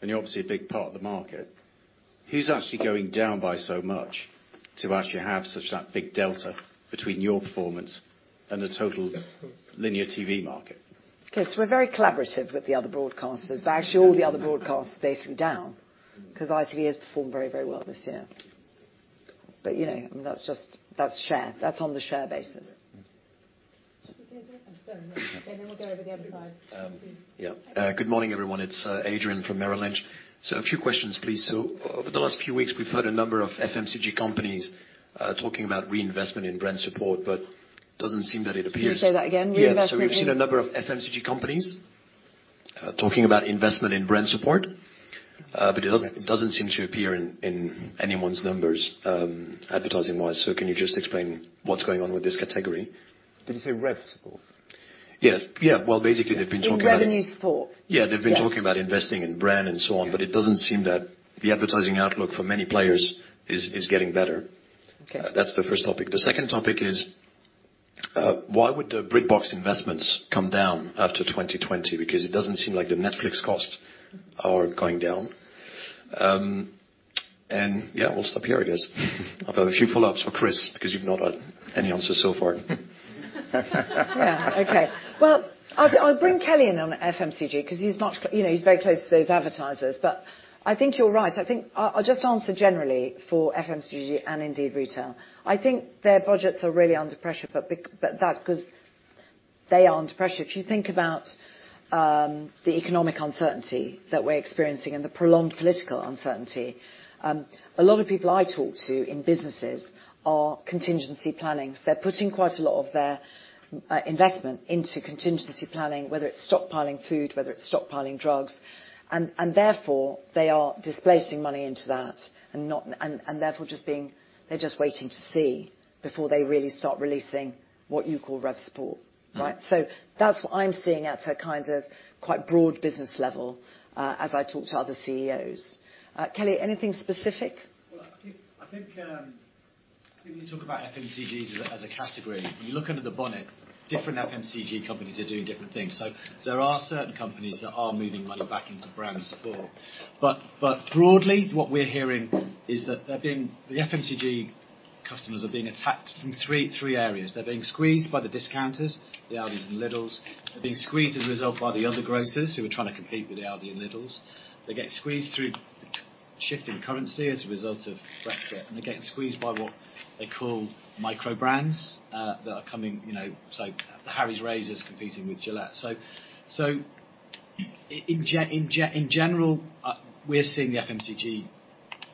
and you're obviously a big part of the market, who's actually going down by so much to actually have such that big delta between your performance and the total linear TV market? We're very collaborative with the other broadcasters, actually all the other broadcasters are basically down, because ITV has performed very well this year. That's on the share basis. Okay. I'm sorry, no. Then we'll go over the other side. Yeah. Good morning, everyone. It's Adrian from Merrill Lynch. A few questions, please. Over the last few weeks, we've heard a number of FMCG companies talking about reinvestment in brand support, but doesn't seem that it appears. Can you say that again? Reinvestment in. Yeah. We've seen a number of FMCG companies talking about investment in brand support, but it doesn't seem to appear in anyone's numbers, advertising wise. Can you just explain what's going on with this category? Did you say rev support? Yes. Well, basically, they've been talking about. In revenue support. Yeah. They've been talking about investing in brand and so on, but it doesn't seem that the advertising outlook for many players is getting better. Okay. That's the first topic. The second topic is, why would the BritBox investments come down after 2020? Because it doesn't seem like the Netflix costs are going down. Yeah, we'll stop here, I guess. I've got a few follow-ups for Chris, because you've not had any answers so far. Okay. I'll bring Kelly in on FMCG because he's very close to those advertisers. I think you're right. I'll just answer generally for FMCG and indeed retail. I think their budgets are really under pressure, but that's because they are under pressure. If you think about the economic uncertainty that we're experiencing and the prolonged political uncertainty, a lot of people I talk to in businesses are contingency planning. They're putting quite a lot of their investment into contingency planning, whether it's stockpiling food, whether it's stockpiling drugs, and therefore, they are displacing money into that and therefore they're just waiting to see before they really start releasing what you call rev support. Right? That's what I'm seeing at a kind of quite broad business level, as I talk to other CEOs. Kelly, anything specific? I think you talk about FMCGs as a category. If you look under the bonnet, different FMCG companies are doing different things. There are certain companies that are moving money back into brand support. Broadly, what we're hearing is that the FMCG customers are being attacked from three areas. They're being squeezed by the discounters, the Aldis and Lidls. They're being squeezed as a result by the other grocers who are trying to compete with the Aldis and Lidls. They're getting squeezed through shift in currency as a result of Brexit, and they're getting squeezed by what they call micro brands, that are coming, so the Harry's Razors competing with Gillette. In general, we're seeing the FMCG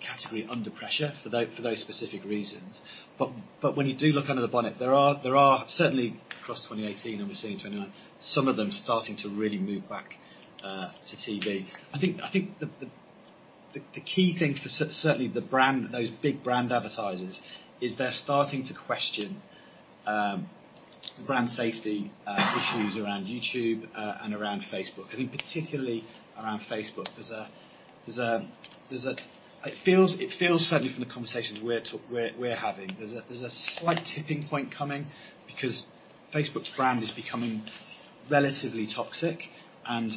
category under pressure for those specific reasons. When you do look under the bonnet, there are certainly across 2018, and we're seeing 2021, some of them starting to really move back to TV. I think the key thing for certainly those big brand advertisers is they're starting to question brand safety issues around YouTube and around Facebook. I think particularly around Facebook. It feels certainly from the conversations we're having, there's a slight tipping point coming because Facebook's brand is becoming relatively toxic and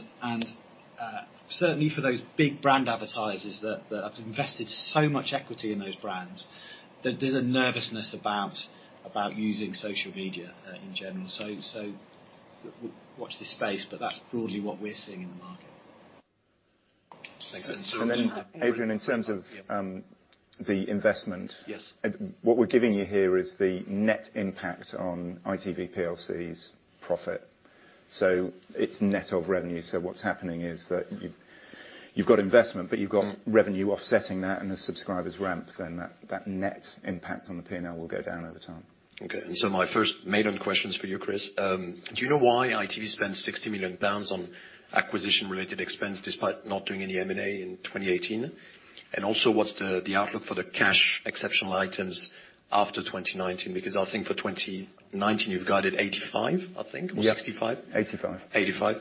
certainly for those big brand advertisers that have invested so much equity in those brands, that there's a nervousness about using social media in general. Watch this space, but that's broadly what we're seeing in the market. Thanks. [inaudible] Adrian, in terms of the investment. Yes. What we're giving you here is the net impact on ITV plc's profit. It's net of revenue. What's happening is that you've got investment, but you've got revenue offsetting that, and the subscribers ramp, then that net impact on the P&L will go down over time. Okay. My first maiden question's for you, Chris. Do you know why ITV spent 60 million pounds on acquisition related expense despite not doing any M&A in 2018? Also, what's the outlook for the cash exceptional items after 2019? Because I think for 2019, you've guided 85, I think- Yes or 65. 85. 85.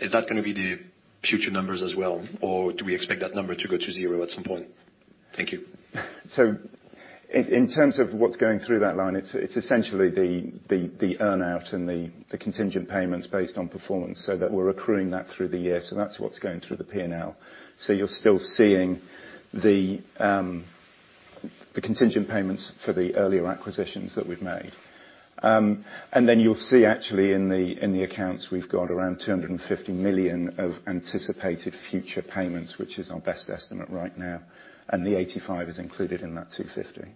Is that going to be the future numbers as well, or do we expect that number to go to zero at some point? Thank you. In terms of what's going through that line, it's essentially the earn-out and the contingent payments based on performance, that we're accruing that through the year. That's what's going through the P&L. You're still seeing the contingent payments for the earlier acquisitions that we've made. Then you'll see actually in the accounts, we've got around 250 million of anticipated future payments, which is our best estimate right now, and the 85 is included in that 250.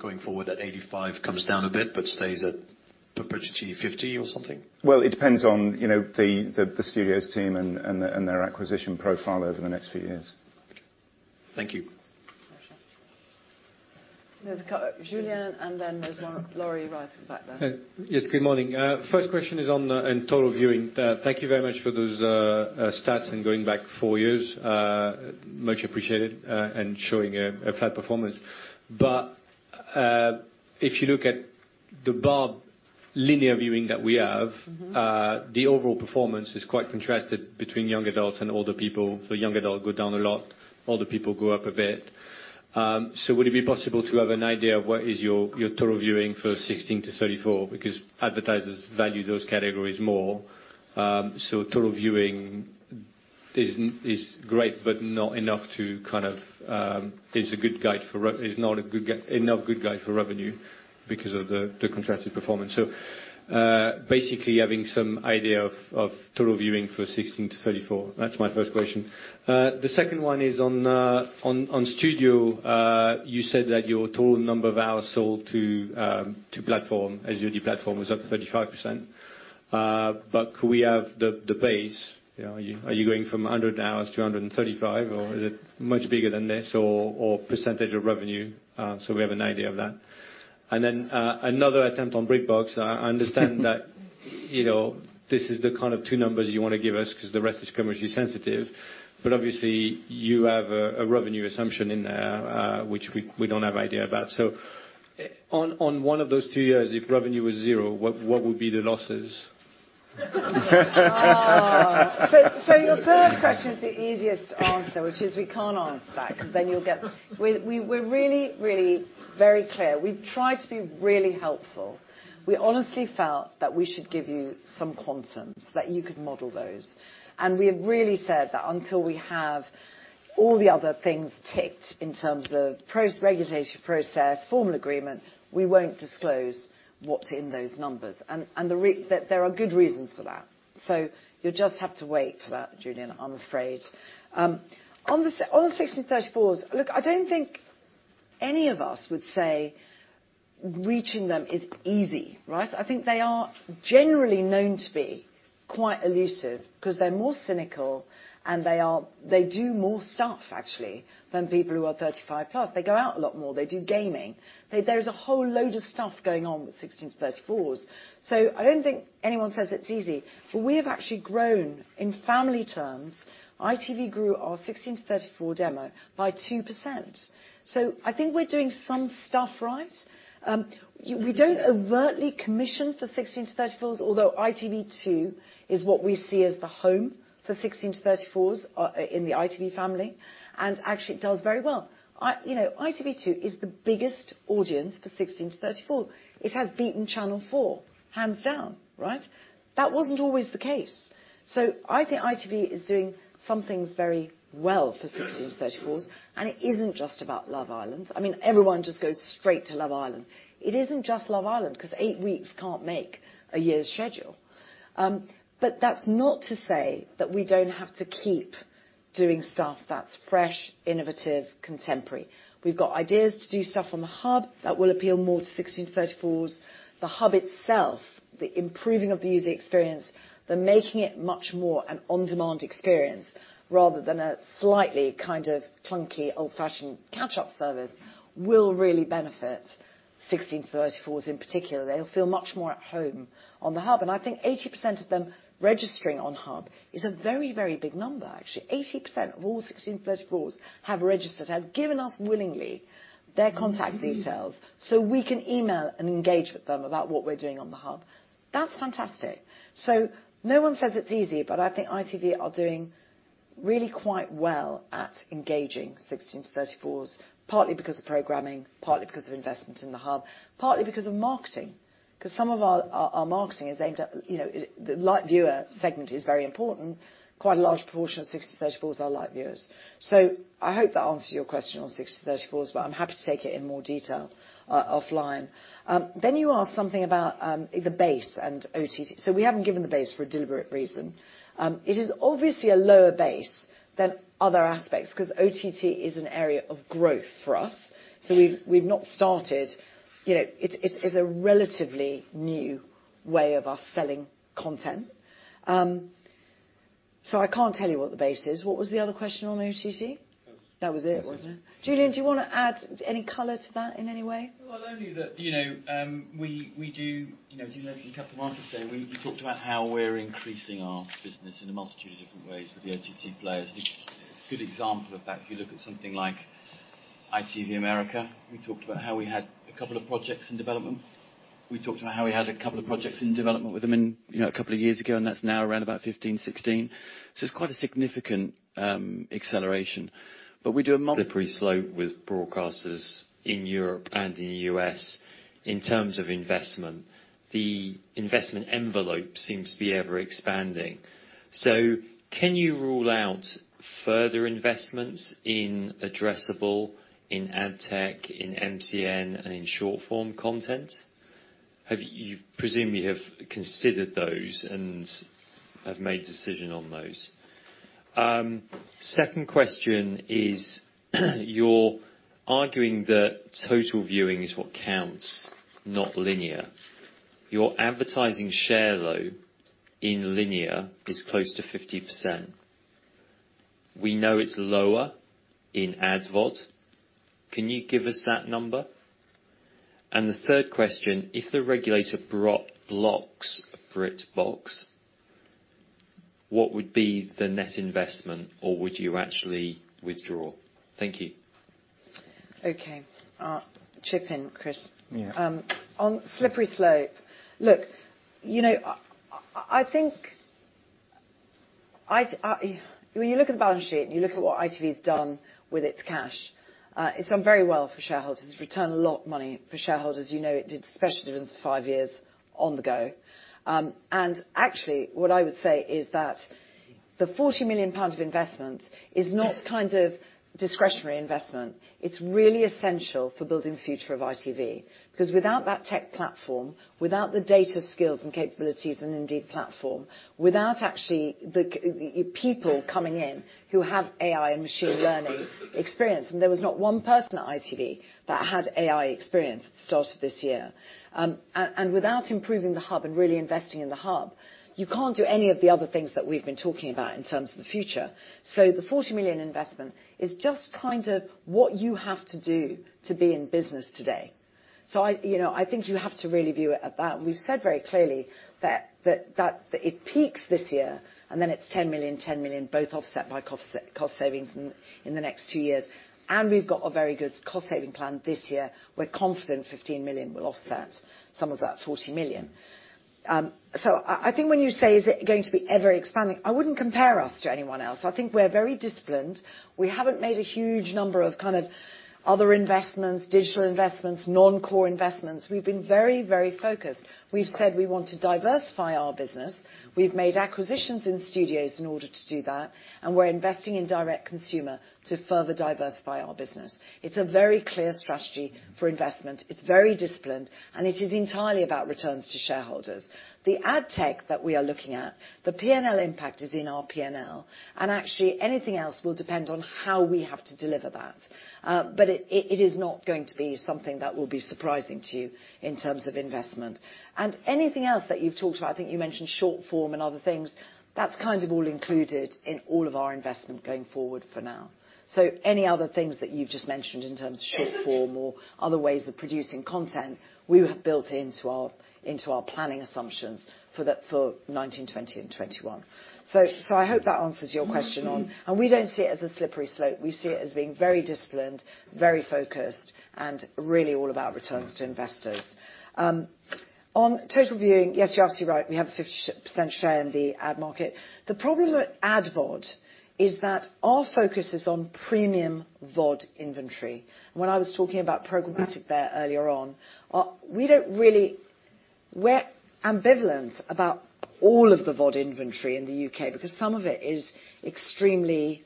Going forward, that 85 comes down a bit, but stays at perpetually 50 or something? Well, it depends on the Studios team and their acquisition profile over the next few years. Thank you. There's a couple. Julian, and then there's one Laurie rising back there. Yes, good morning. First question is on the total viewing. Thank you very much for those stats and going back four years. Much appreciated, and showing a fair performance. If you look at the BARB linear viewing that we have the overall performance is quite contrasted between young adults and older people. Young adult go down a lot, older people go up a bit. Would it be possible to have an idea of what is your total viewing for 16 to 34? Because advertisers value those categories more. Total viewing is great, but not enough good guide for revenue, because of the contrasted performance. Basically having some idea of total viewing for 16-34. That's my first question. The second one is on Studio. You said that your total number of hours sold to platform, as your new platform was up 35%. Could we have the base? Are you going from 100 hours to 135, or is it much bigger than this? Or percentage of revenue, so we have an idea of that. Another attempt on BritBox. I understand this is the kind of two numbers you want to give us because the rest is commercially sensitive. Obviously you have a revenue assumption in there, which we don't have idea about. On one of those two years, if revenue was zero, what would be the losses? Your first question is the easiest to answer, which is we can't answer that because then We're really very clear. We've tried to be really helpful. We honestly felt that we should give you some quantums, that you could model those. We have really said that until we have all the other things ticked in terms of regulatory process, formal agreement, we won't disclose what's in those numbers. There are good reasons for that. You'll just have to wait for that, Julian, I'm afraid. On the 16-34s, look, I don't think any of us would say reaching them is easy, right? I think they are generally known to be quite elusive because they're more cynical and they do more stuff, actually, than people who are 35+. They go out a lot more. They do gaming. There's a whole load of stuff going on with 16-34s. I don't think anyone says it's easy, but we have actually grown in family terms. ITV grew our 16-34 demo by 2%. I think we're doing some stuff right. We don't overtly commission for 16-34s, although ITV2 is what we see as the home for 16-34s in the ITV family, and actually it does very well. ITV2 is the biggest audience for 16-34. It has beaten Channel four, hands down, right? That wasn't always the case. I think ITV is doing some things very well for 16-34s, and it isn't just about "Love Island." Everyone just goes straight to "Love Island." It isn't just "Love Island" because eight weeks can't make a year's schedule. That's not to say that we don't have to keep doing stuff that's fresh, innovative, contemporary. We've got ideas to do stuff on the Hub that will appeal more to 16-34s. The Hub itself, the improving of the user experience, the making it much more an on-demand experience rather than a slightly kind of clunky, old-fashioned catch-up service will really benefit 16-34s in particular. They'll feel much more at home on the Hub. I think 80% of them registering on Hub is a very big number, actually. 80% of all 16-34s have registered, have given us willingly their contact details, so we can email and engage with them about what we're doing on the Hub. That's fantastic. No one says it's easy, but I think ITV are doing really quite well at engaging 16-34s, partly because of programming, partly because of investment in the Hub, partly because of marketing. The light viewer segment is very important. Quite a large proportion of 16-34s are light viewers. I hope that answers your question on 16-34s, but I'm happy to take it in more detail offline. You asked something about the base and OTT. We haven't given the base for a deliberate reason. It is obviously a lower base than other aspects because OTT is an area of growth for us. We've not started. It's a relatively new way of us selling content. I can't tell you what the base is. What was the other question on OTT? That was it. That was it, wasn't it? Julian, do you want to add any color to that in any way? Only that we do, as you mentioned a couple of months ago, we talked about how we're increasing our business in a multitude of different ways with the OTT players. A good example of that, if you look at something like ITV America, we talked about how we had a couple of projects in development. We talked about how we had a couple of projects in development with them a couple of years ago, and that's now around about 15, 16. It's quite a significant acceleration. We do a slippery slope with broadcasters in Europe and in the U.S. in terms of investment. The investment envelope seems to be ever-expanding. Can you rule out further investments in addressable, in ad tech, in MCN, and in short-form content? I presume you have considered those and have made a decision on those. Second question is you're arguing that total viewing is what counts, not linear. Your advertising share though, in linear, is close to 50%. We know it's lower in ad VOD. Can you give us that number? The third question, if the regulator blocks BritBox, what would be the net investment, or would you actually withdraw? Thank you. Okay. chip in, Chris. Yeah. On slippery slope. Look, you know, I think When you look at the balance sheet, you look at what ITV's done with its cash, it's done very well for shareholders. It's returned a lot money for shareholders. You know, it did special dividends for five years on the go. Actually, what I would say is that the 40 million pound of investment is not kind of discretionary investment. It's really essential for building the future of ITV. Cause without that tech platform, without the data skills and capabilities and indeed platform, without actually people coming in who have AI and machine learning experience, there was not one person at ITV that had AI experience at the start of this year. Without improving the hub and really investing in the hub, you can't do any of the other things that we've been talking about in terms of the future. The 40 million investment is just kind of what you have to do to be in business today. I, you know, I think you have to really view it at that. We've said very clearly that it peaks this year, then it's 10 million, 10 million, both offset by cost savings in the next two years. We've got a very good cost saving plan this year. We're confident 15 million will offset some of that 40 million. I think when you say is it going to be ever-expanding, I wouldn't compare us to anyone else. I think we're very disciplined. We haven't made a huge number of kind of other investments, digital investments, non-core investments. We've been very, very focused. We've said we want to diversify our business. We've made acquisitions in studios in order to do that, and we're investing in direct consumer to further diversify our business. It's a very clear strategy for investment. It's very disciplined, and it is entirely about returns to shareholders. The ad tech that we are looking at, the P&L impact is in our P&L, and actually, anything else will depend on how we have to deliver that. But it is not going to be something that will be surprising to you in terms of investment. Anything else that you've talked about, I think you mentioned short form and other things, that's kind of all included in all of our investment going forward for now. Any other things that you've just mentioned in terms of short form or other ways of producing content, we have built into our, into our planning assumptions for 2019, 2020 and 2021. I hope that answers your question on We don't see it as a slippery slope. We see it as being very disciplined, very focused, and really all about returns to investors. On total viewing, yes, you're absolutely right, we have a 50% share in the ad market. The problem with ad VOD is that our focus is on premium VOD inventory. When I was talking about programmatic there earlier on, we're ambivalent about all of the VOD inventory in the U.K., because some of it is extremely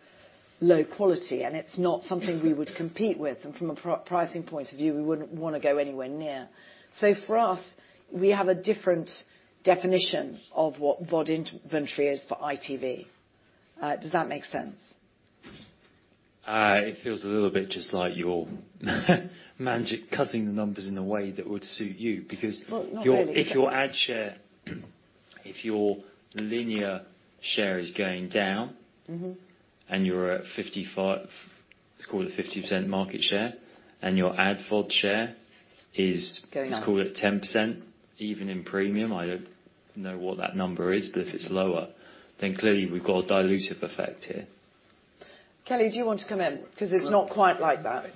low quality, and it's not something we would compete with. From a pricing point of view, we wouldn't wanna go anywhere near. For us, we have a different definition of what VOD inventory is for ITV. Does that make sense? It feels a little bit just like you're magic, cutting the numbers in a way that would suit you. Well, not really If your ad share, if your linear share is going down. You're at 55, call it a 50% market share, and your ad VOD share is going up let's call it 10%, even in premium, I don't know what that number is, but if it's lower, clearly we've got a dilutive effect here. Kelly, do you want to come in? 'Cause it's not quite like that.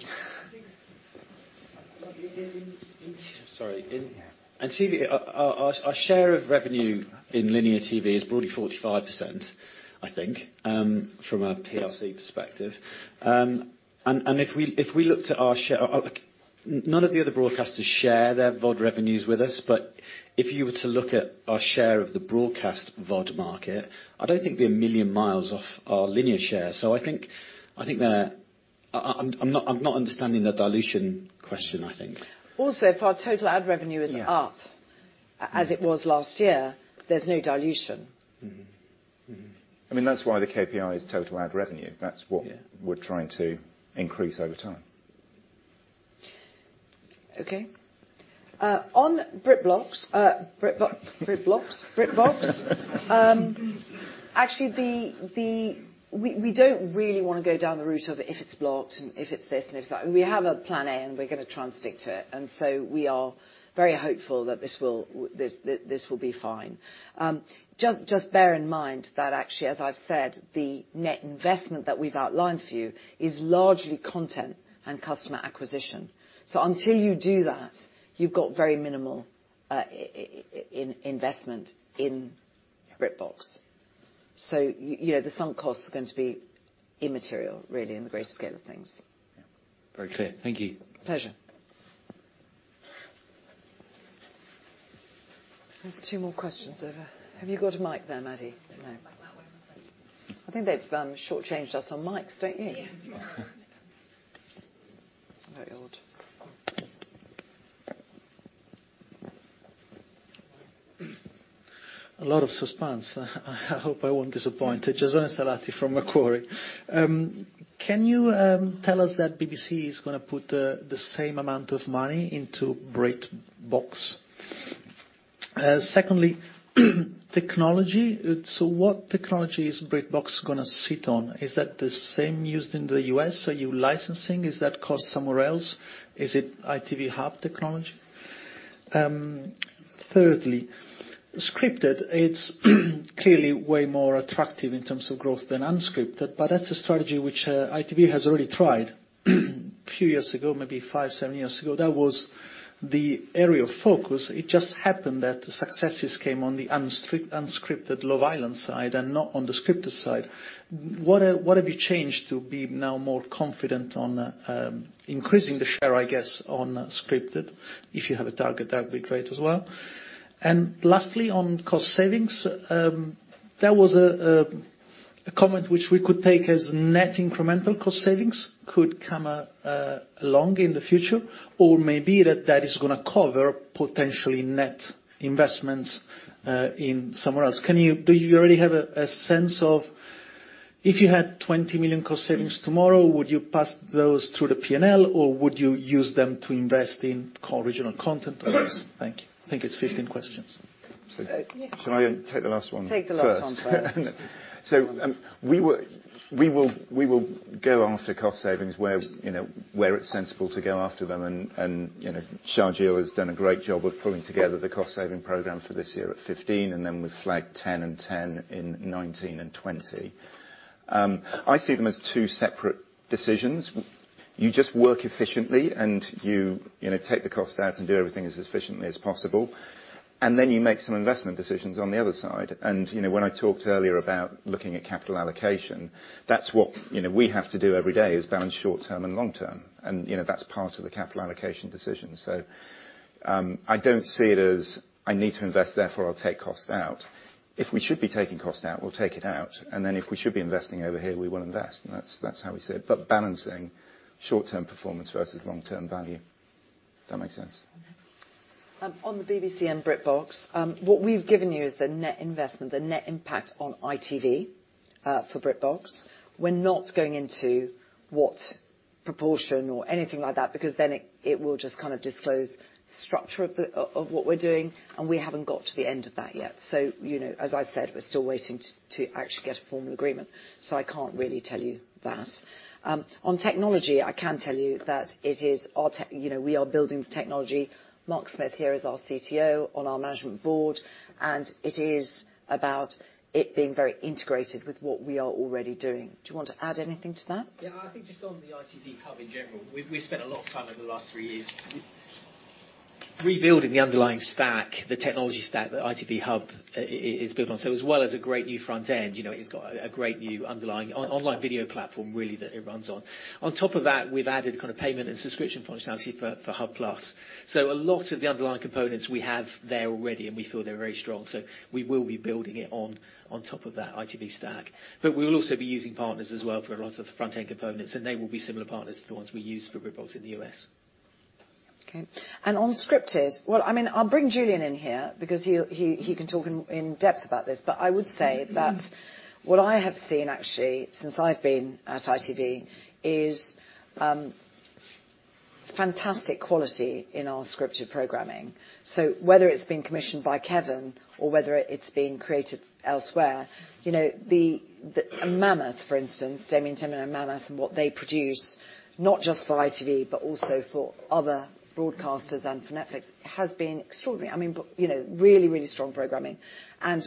Sorry. In ITV, our share of revenue in linear TV is broadly 45%, I think, from a PRC perspective. If we looked at our share, like none of the other broadcasters share their VOD revenues with us, but if you were to look at our share of the broadcast VOD market, I don't think we're a million miles off our linear share. I think I'm not understanding the dilution question, I think. Also, if our total ad revenue is up. Has it was last year, there's no dilution. I mean, that's why the KPI is total ad revenue. That's what we're trying to increase over time. Okay. On BritBox. Actually, We don't really wanna go down the route of if it's blocked and if it's this and if it's that. We have a plan A, we're gonna try and stick to it. We are very hopeful that this will, this will be fine. Just bear in mind that actually, as I've said, the net investment that we've outlined for you is largely content and customer acquisition. Until you do that, you've got very minimal investment in BritBox. You know, the sum cost is going to be immaterial, really, in the greater scale of things. Yeah. Very clear. Thank you. Pleasure. Have you got a mic there, Maddie? No. I think they've shortchanged us on mics, don't you? Very odd A lot of suspense. I hope I won't disappoint. [inaudible] Can you tell us that BBC is going to put the same amount of money into BritBox? Secondly, technology. What technology is BritBox going to sit on? Is that the same used in the U.S.? Are you licensing? Is that cost somewhere else? Is it ITV Hub technology? Thirdly, scripted. It's clearly way more attractive in terms of growth than unscripted, but that's a strategy which ITV has already tried a few years ago, maybe five, seven years ago. That was the area of focus. It just happened that the successes came on the unscripted, "Love Island" side and not on the scripted side. What have you changed to be now more confident on increasing the share, I guess, on scripted? If you have a target, that'd be great as well. Lastly, on cost savings. There was a comment which we could take as net incremental cost savings could come along in the future, or maybe that is going to cover potentially net investments in somewhere else. Do you already have a sense of if you had 20 million cost savings tomorrow, would you pass those through the P&L, or would you use them to invest in original content? Thank you. I think it's 15 questions. Should I take the last one first? Take the last one first. We will go after cost savings where it is sensible to go after them, and Sharjeel has done a great job of pulling together the cost-saving program for this year at 15, and then we've flagged 10 and 10 in 2019 and 2020. I see them as two separate decisions. You just work efficiently, and you take the cost out and do everything as efficiently as possible. Then you make some investment decisions on the other side. When I talked earlier about looking at capital allocation, that's what we have to do every day, is balance short term and long term, and that's part of the capital allocation decision. I don't see it as, I need to invest, therefore I'll take cost out. If we should be taking cost out, we'll take it out. If we should be investing over here, we will invest, and that's how we see it, but balancing short-term performance versus long-term value. If that makes sense. On the BBC and BritBox, what we've given you is the net investment, the net impact on ITV, for BritBox. We're not going into what proportion or anything like that, because then it will just kind of disclose structure of what we're doing, and we haven't got to the end of that yet. As I said, we're still waiting to actually get a formal agreement, so I can't really tell you that. On technology, I can tell you that we are building the technology. Mark Smith here is our CTO on our management board, and it is about it being very integrated with what we are already doing. Do you want to add anything to that? I think just on the ITV Hub in general, we spent a lot of time over the last three years rebuilding the underlying stack, the technology stack that ITV Hub is built on. As well as a great new front end, it's got a great new underlying online video platform, really, that it runs on. On top of that, we've added kind of payment and subscription functionality for Hub+. A lot of the underlying components we have there already, and we feel they're very strong. We will be building it on top of that ITV stack. But we'll also be using partners as well for a lot of the front-end components, and they will be similar partners to the ones we use for BritBox in the U.S. Okay. On scripted, well, I'll bring Julian in here because he can talk in depth about this. I would say that what I have seen actually since I've been at ITV is fantastic quality in our scripted programming. Whether it's been commissioned by Kevin or whether it's been created elsewhere, Mammoth, for instance, Damien Timmer and Mammoth and what they produce, not just for ITV, but also for other broadcasters and for Netflix, has been extraordinary. Really strong programming.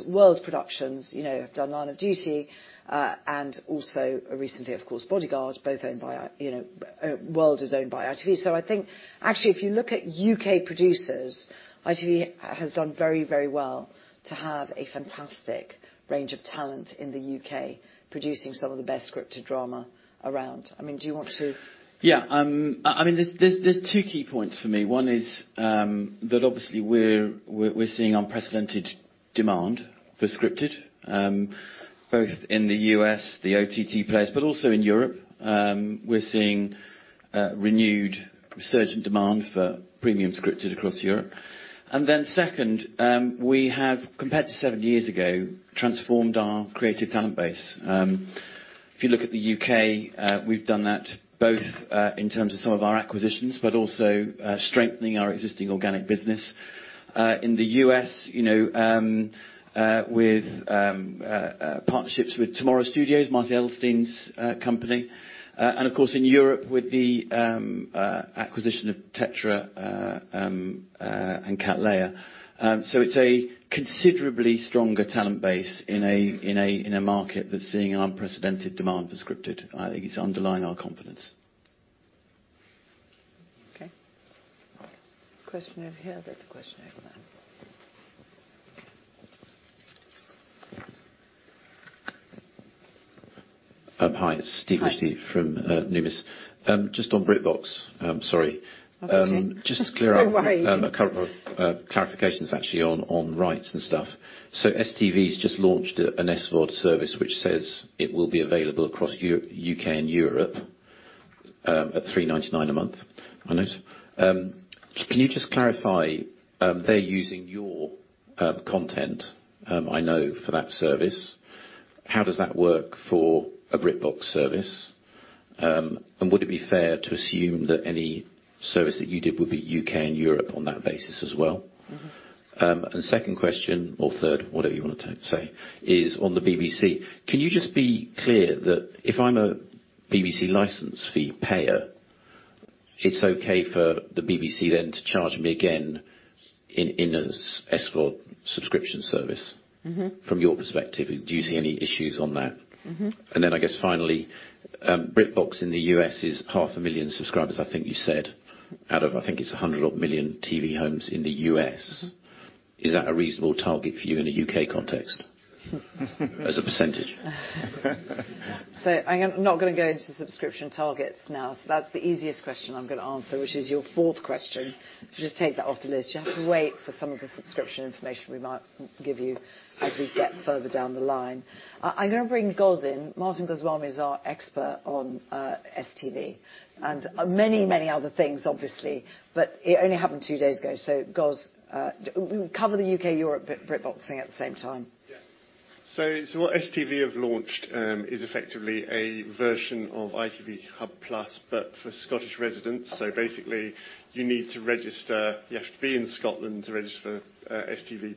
World Productions have done "Line of Duty," and also recently, of course, "Bodyguard," World is owned by ITV. I think actually, if you look at U.K. producers, ITV has done very, very well to have a fantastic range of talent in the U.K. producing some of the best scripted drama around. Do you want to? Yeah. There's two key points for me. One is that obviously we're seeing unprecedented demand for scripted, both in the U.S., the OTT players, but also in Europe. We're seeing renewed resurgent demand for premium scripted across Europe. Second, we have, compared to seven years ago, transformed our creative talent base. If you look at the U.K., we've done that both in terms of some of our acquisitions, but also strengthening our existing organic business. In the U.S., with partnerships with Tomorrow Studios, Marty Adelstein's company. Of course, in Europe with the acquisition of Tetra and Cattleya. It's a considerably stronger talent base in a market that's seeing unprecedented demand for scripted. I think it's underlying our confidence. Okay. There's a question over here. There's a question over there. Hi, it's Steve Liechti from Numis. Just on BritBox. Sorry. Just to clear up. Don't worry. A couple of clarifications actually on rights and stuff. STV's just launched an SVOD service which says it will be available across U.K. and Europe at 3.99 a month on it. Can you just clarify, they're using your content, I know for that service. How does that work for a BritBox service? Would it be fair to assume that any service that you did would be U.K. and Europe on that basis as well? Second question or third, whatever you want to say, is on the BBC. Can you just be clear that if I'm a BBC license fee payer, it's okay for the BBC then to charge me again in a SVOD subscription service? From your perspective, do you see any issues on that? I guess finally, BritBox in the U.S. is half a million subscribers, I think you said, out of I think it's 100 odd million TV homes in the U.S. Is that a reasonable target for you in a U.K. context? As a percentage? I'm not going to go into subscription targets now. That's the easiest question I'm going to answer, which is your fourth question. If you just take that off the list. You'll have to wait for some of the subscription information we might give you as we get further down the line. I'm going to bring Gos in. Martin Goswami is our expert on STV and many other things, obviously. It only happened two days ago, so Gos, we cover the U.K., Europe BritBox thing at the same time. Yes. What STV have launched, is effectively a version of ITV Hub+, but for Scottish residents. Basically, you need to register. You have to be in Scotland to register STV+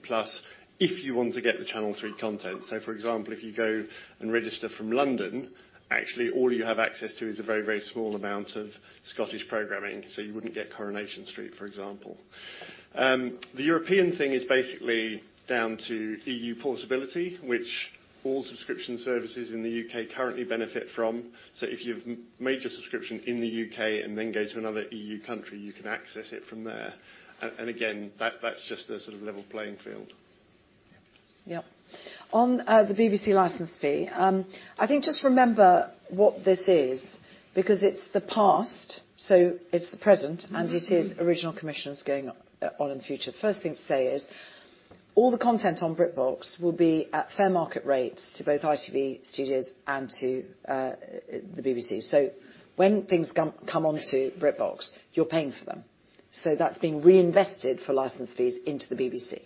if you want to get the Channel three content. For example, if you go and register from London, actually all you have access to is a very small amount of Scottish programming. You wouldn't get "Coronation Street," for example. The European thing is basically down to E.U. portability, which all subscription services in the U.K. currently benefit from. If you've made your subscription in the U.K. and then go to another E.U. country, you can access it from there. Again, that's just a sort of level playing field. Yep. On the BBC license fee, I think just remember what this is, because it's the past, it's the present, and it is original commissions going on in the future. The first thing to say is, all the content on BritBox will be at fair market rates to both ITV Studios and to the BBC. When things come onto BritBox, you're paying for them. That's being reinvested for license fees into the BBC.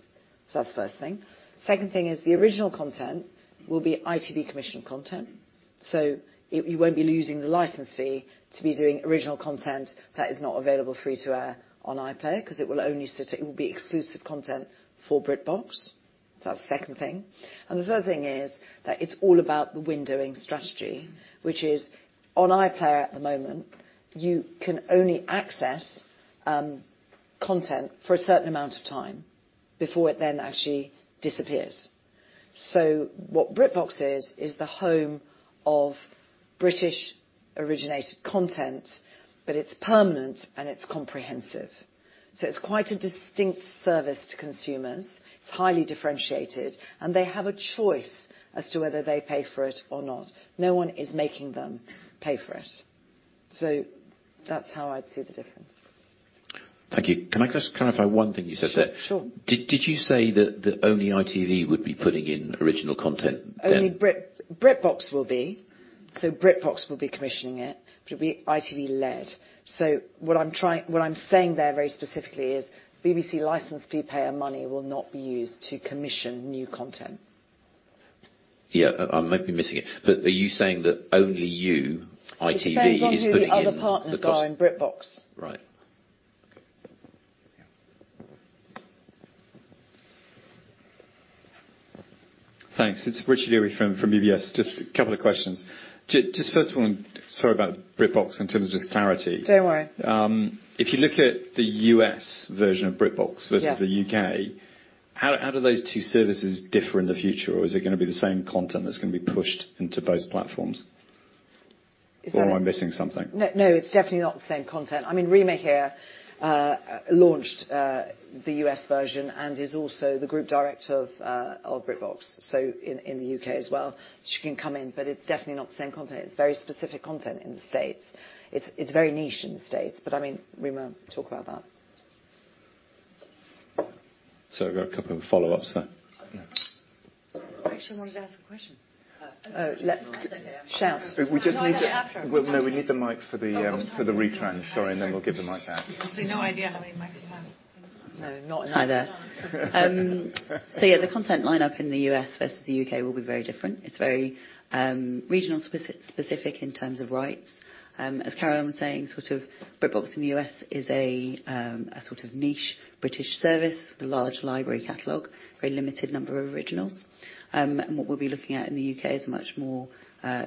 That's the first thing. Second thing is the original content will be ITV commissioned content. You won't be losing the license fee to be doing original content that is not available free to air on iPlayer, because it will be exclusive content for BritBox. That's the second thing. The third thing is that it's all about the windowing strategy, which is on iPlayer at the moment, you can only access content for a certain amount of time before it then actually disappears. What BritBox is the home of British originated content, but it's permanent and it's comprehensive. It's quite a distinct service to consumers. It's highly differentiated, and they have a choice as to whether they pay for it or not. No one is making them pay for it. That's how I'd see the difference. Thank you. Can I just clarify one thing you said there? Sure. Did you say that only ITV would be putting in original content then? Only BritBox will be. BritBox will be commissioning it, but it'll be ITV led. What I'm saying there very specifically is BBC license fee payer money will not be used to commission new content. Yeah, I might be missing it. Are you saying that only you, ITV, is putting in the cost? It depends on who the other partners are in BritBox. Right. Okay, yeah. Thanks. It's Richard Eary from UBS. Just a couple of questions. Just first of all, sorry about BritBox in terms of just clarity. Don't worry. If you look at the U.S. version of BritBox versus the U.K., how do those two services differ in the future? Is it gonna be the same content that's gonna be pushed into both platforms? Am I missing something? No, it's definitely not the same content. I mean, Reemah here, launched the U.S. version and is also the group director of BritBox, so in the U.K. as well. She can come in, it's definitely not the same content. It's very specific content in the States. It's very niche in the States, I mean, Reemah, talk about that. Sorry, I've got a couple of follow-ups there. Reemah actually wanted to ask a question. Shout. We just need the [inaudible] no, we need the mic for the retrans. Sorry, then we'll give the mic back. You've no idea how many mics you have? No, not neither. Yeah, the content lineup in the U.S. versus the U.K. will be very different. It's very regional specific in terms of rights. As Carolyn was saying, sort of BritBox in the U.S. is a sort of niche British service with a large library catalog, very limited number of originals. What we'll be looking at in the U.K. is a much more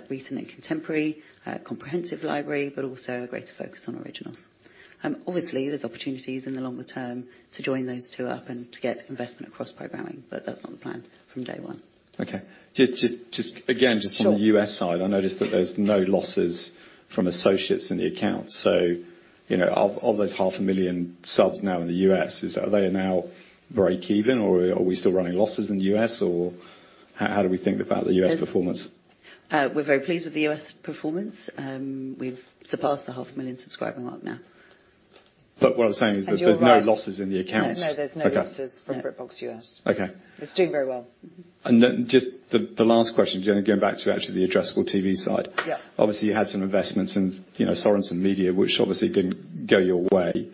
recent and contemporary, comprehensive library, also a greater focus on originals. Obviously, there's opportunities in the longer term to join those two up and to get investment across programming, that's not the plan from day one. Okay. Just, again, just on the U.S. side, I noticed that there's no losses from associates in the accounts. Of those half a million subs now in the U.S., are they now break even, or are we still running losses in the U.S., or how do we think about the U.S. performance? We're very pleased with the U.S. performance. We've surpassed the half a million subscriber mark now. What I'm saying is that there's no losses in the accounts. No, there's no losses from BritBox U.S. Okay. It's doing very well. Just the last question, [inaudible] going back to actually the addressable TV side. Yeah. Obviously, you had some investments in Sorenson Media, which obviously didn't go your way.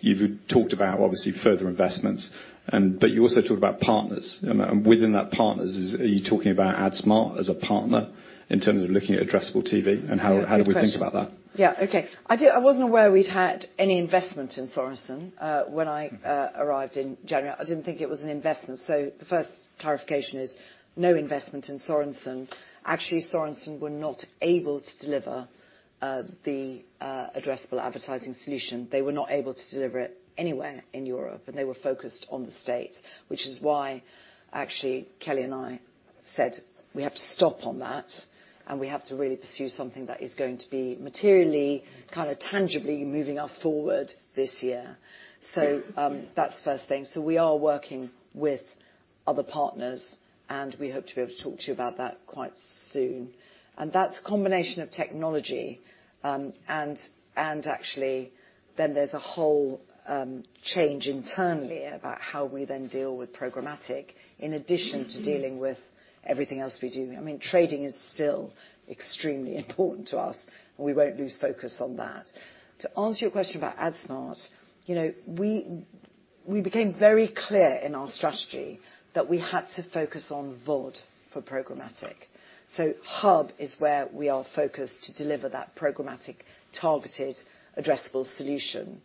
You've talked about, obviously, further investments. You also talked about partners. Within that partners, are you talking about AdSmart as a partner in terms of looking at addressable TV? Good question Do we think about that? Yeah. Okay. I wasn't aware we'd had any investment in Sorenson when I arrived in January. I didn't think it was an investment. The first clarification is no investment in Sorenson. Actually, Sorenson were not able to deliver the addressable advertising solution. They were not able to deliver it anywhere in Europe, and they were focused on the U.S., which is why, actually, Kelly and I said we have to stop on that, and we have to really pursue something that is going to be materially, tangibly moving us forward this year. That's the first thing. We are working with other partners, and we hope to be able to talk to you about that quite soon. That's a combination of technology, and actually, then there's a whole change internally about how we then deal with programmatic, in addition to dealing with everything else we do. Trading is still extremely important to us, and we won't lose focus on that. To answer your question about AdSmart, we became very clear in our strategy that we had to focus on VOD for programmatic. Hub is where we are focused to deliver that programmatic targeted addressable solution.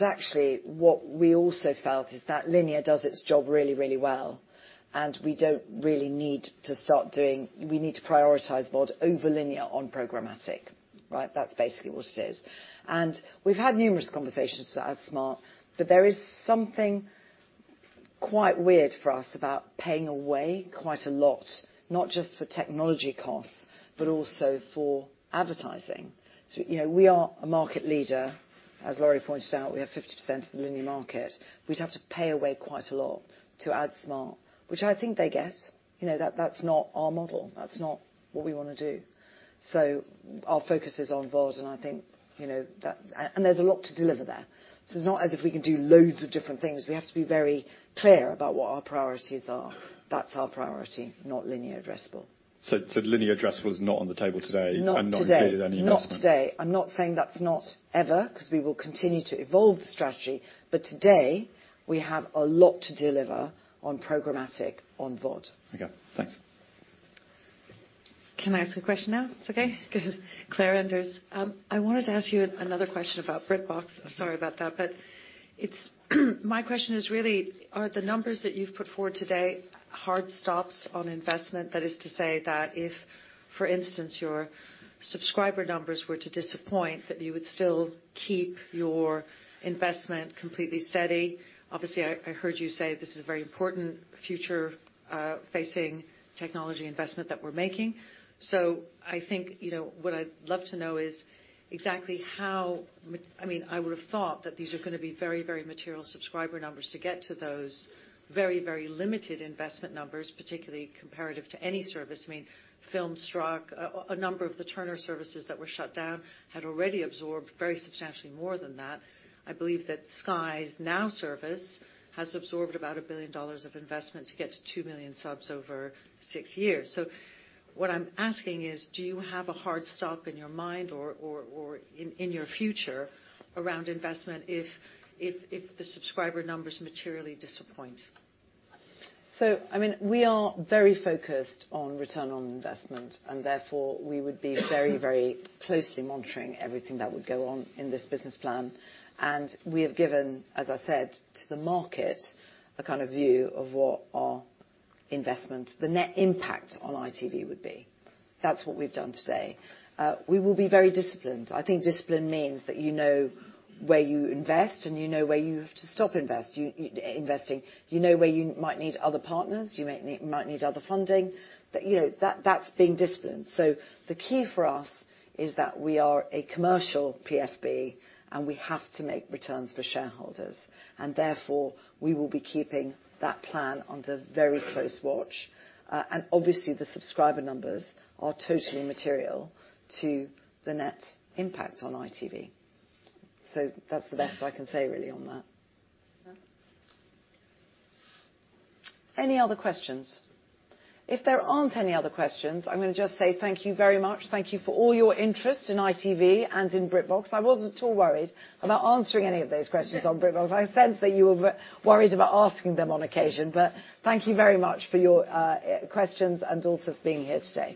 Actually, what we also felt is that linear does its job really, really well, and we don't really need to start. We need to prioritize VOD over linear on programmatic. That's basically what it is. We've had numerous conversations with AdSmart, but there is something quite weird for us about paying away quite a lot, not just for technology costs, but also for advertising. We are a market leader. As [inaudible] pointed out, we have 50% of the linear market. We'd have to pay away quite a lot to AdSmart, which I think they get. That's not our model. That's not what we want to do. Our focus is on VOD, and there's a lot to deliver there. It's not as if we can do loads of different things. We have to be very clear about what our priorities are. That's our priority, not linear addressable. Linear addressable is not on the table today. Not today. Not included any investment. Not today. I'm not saying that's not ever, because we will continue to evolve the strategy. Today, we have a lot to deliver on programmatic on VOD. Okay. Thanks. Can I ask a question now? It's okay? Claire Anders. I wanted to ask you another question about BritBox. Sorry about that. My question is really, are the numbers that you've put forward today hard stops on investment? That is to say that if, for instance, your subscriber numbers were to disappoint, that you would still keep your investment completely steady. Obviously, I heard you say this is a very important future-facing technology investment that we're making. I think what I'd love to know is exactly how I would have thought that these are going to be very material subscriber numbers to get to those very limited investment numbers, particularly comparative to any service. FilmStruck, a number of the Turner services that were shut down had already absorbed very substantially more than that. I believe that Sky's Now service has absorbed about $1 billion of investment to get to two million subs over six years. What I'm asking is, do you have a hard stop in your mind or in your future around investment if the subscriber numbers materially disappoint? We are very focused on return on investment, therefore we would be very closely monitoring everything that would go on in this business plan. We have given, as I said, to the market, a view of what our investment, the net impact on ITV would be. That's what we've done today. We will be very disciplined. I think discipline means that you know where you invest, and you know where you have to stop investing. You know where you might need other partners, you might need other funding. That's being disciplined. The key for us is that we are a commercial PSB, and we have to make returns for shareholders. Therefore, we will be keeping that plan under very close watch. Obviously, the subscriber numbers are totally material to the net impact on ITV. That's the best I can say really on that. Yeah. Any other questions? If there aren't any other questions, I'm going to just say thank you very much. Thank you for all your interest in ITV and in BritBox. I wasn't at all worried about answering any of those questions on BritBox. I sense that you were worried about asking them on occasion. Thank you very much for your questions and also for being here today.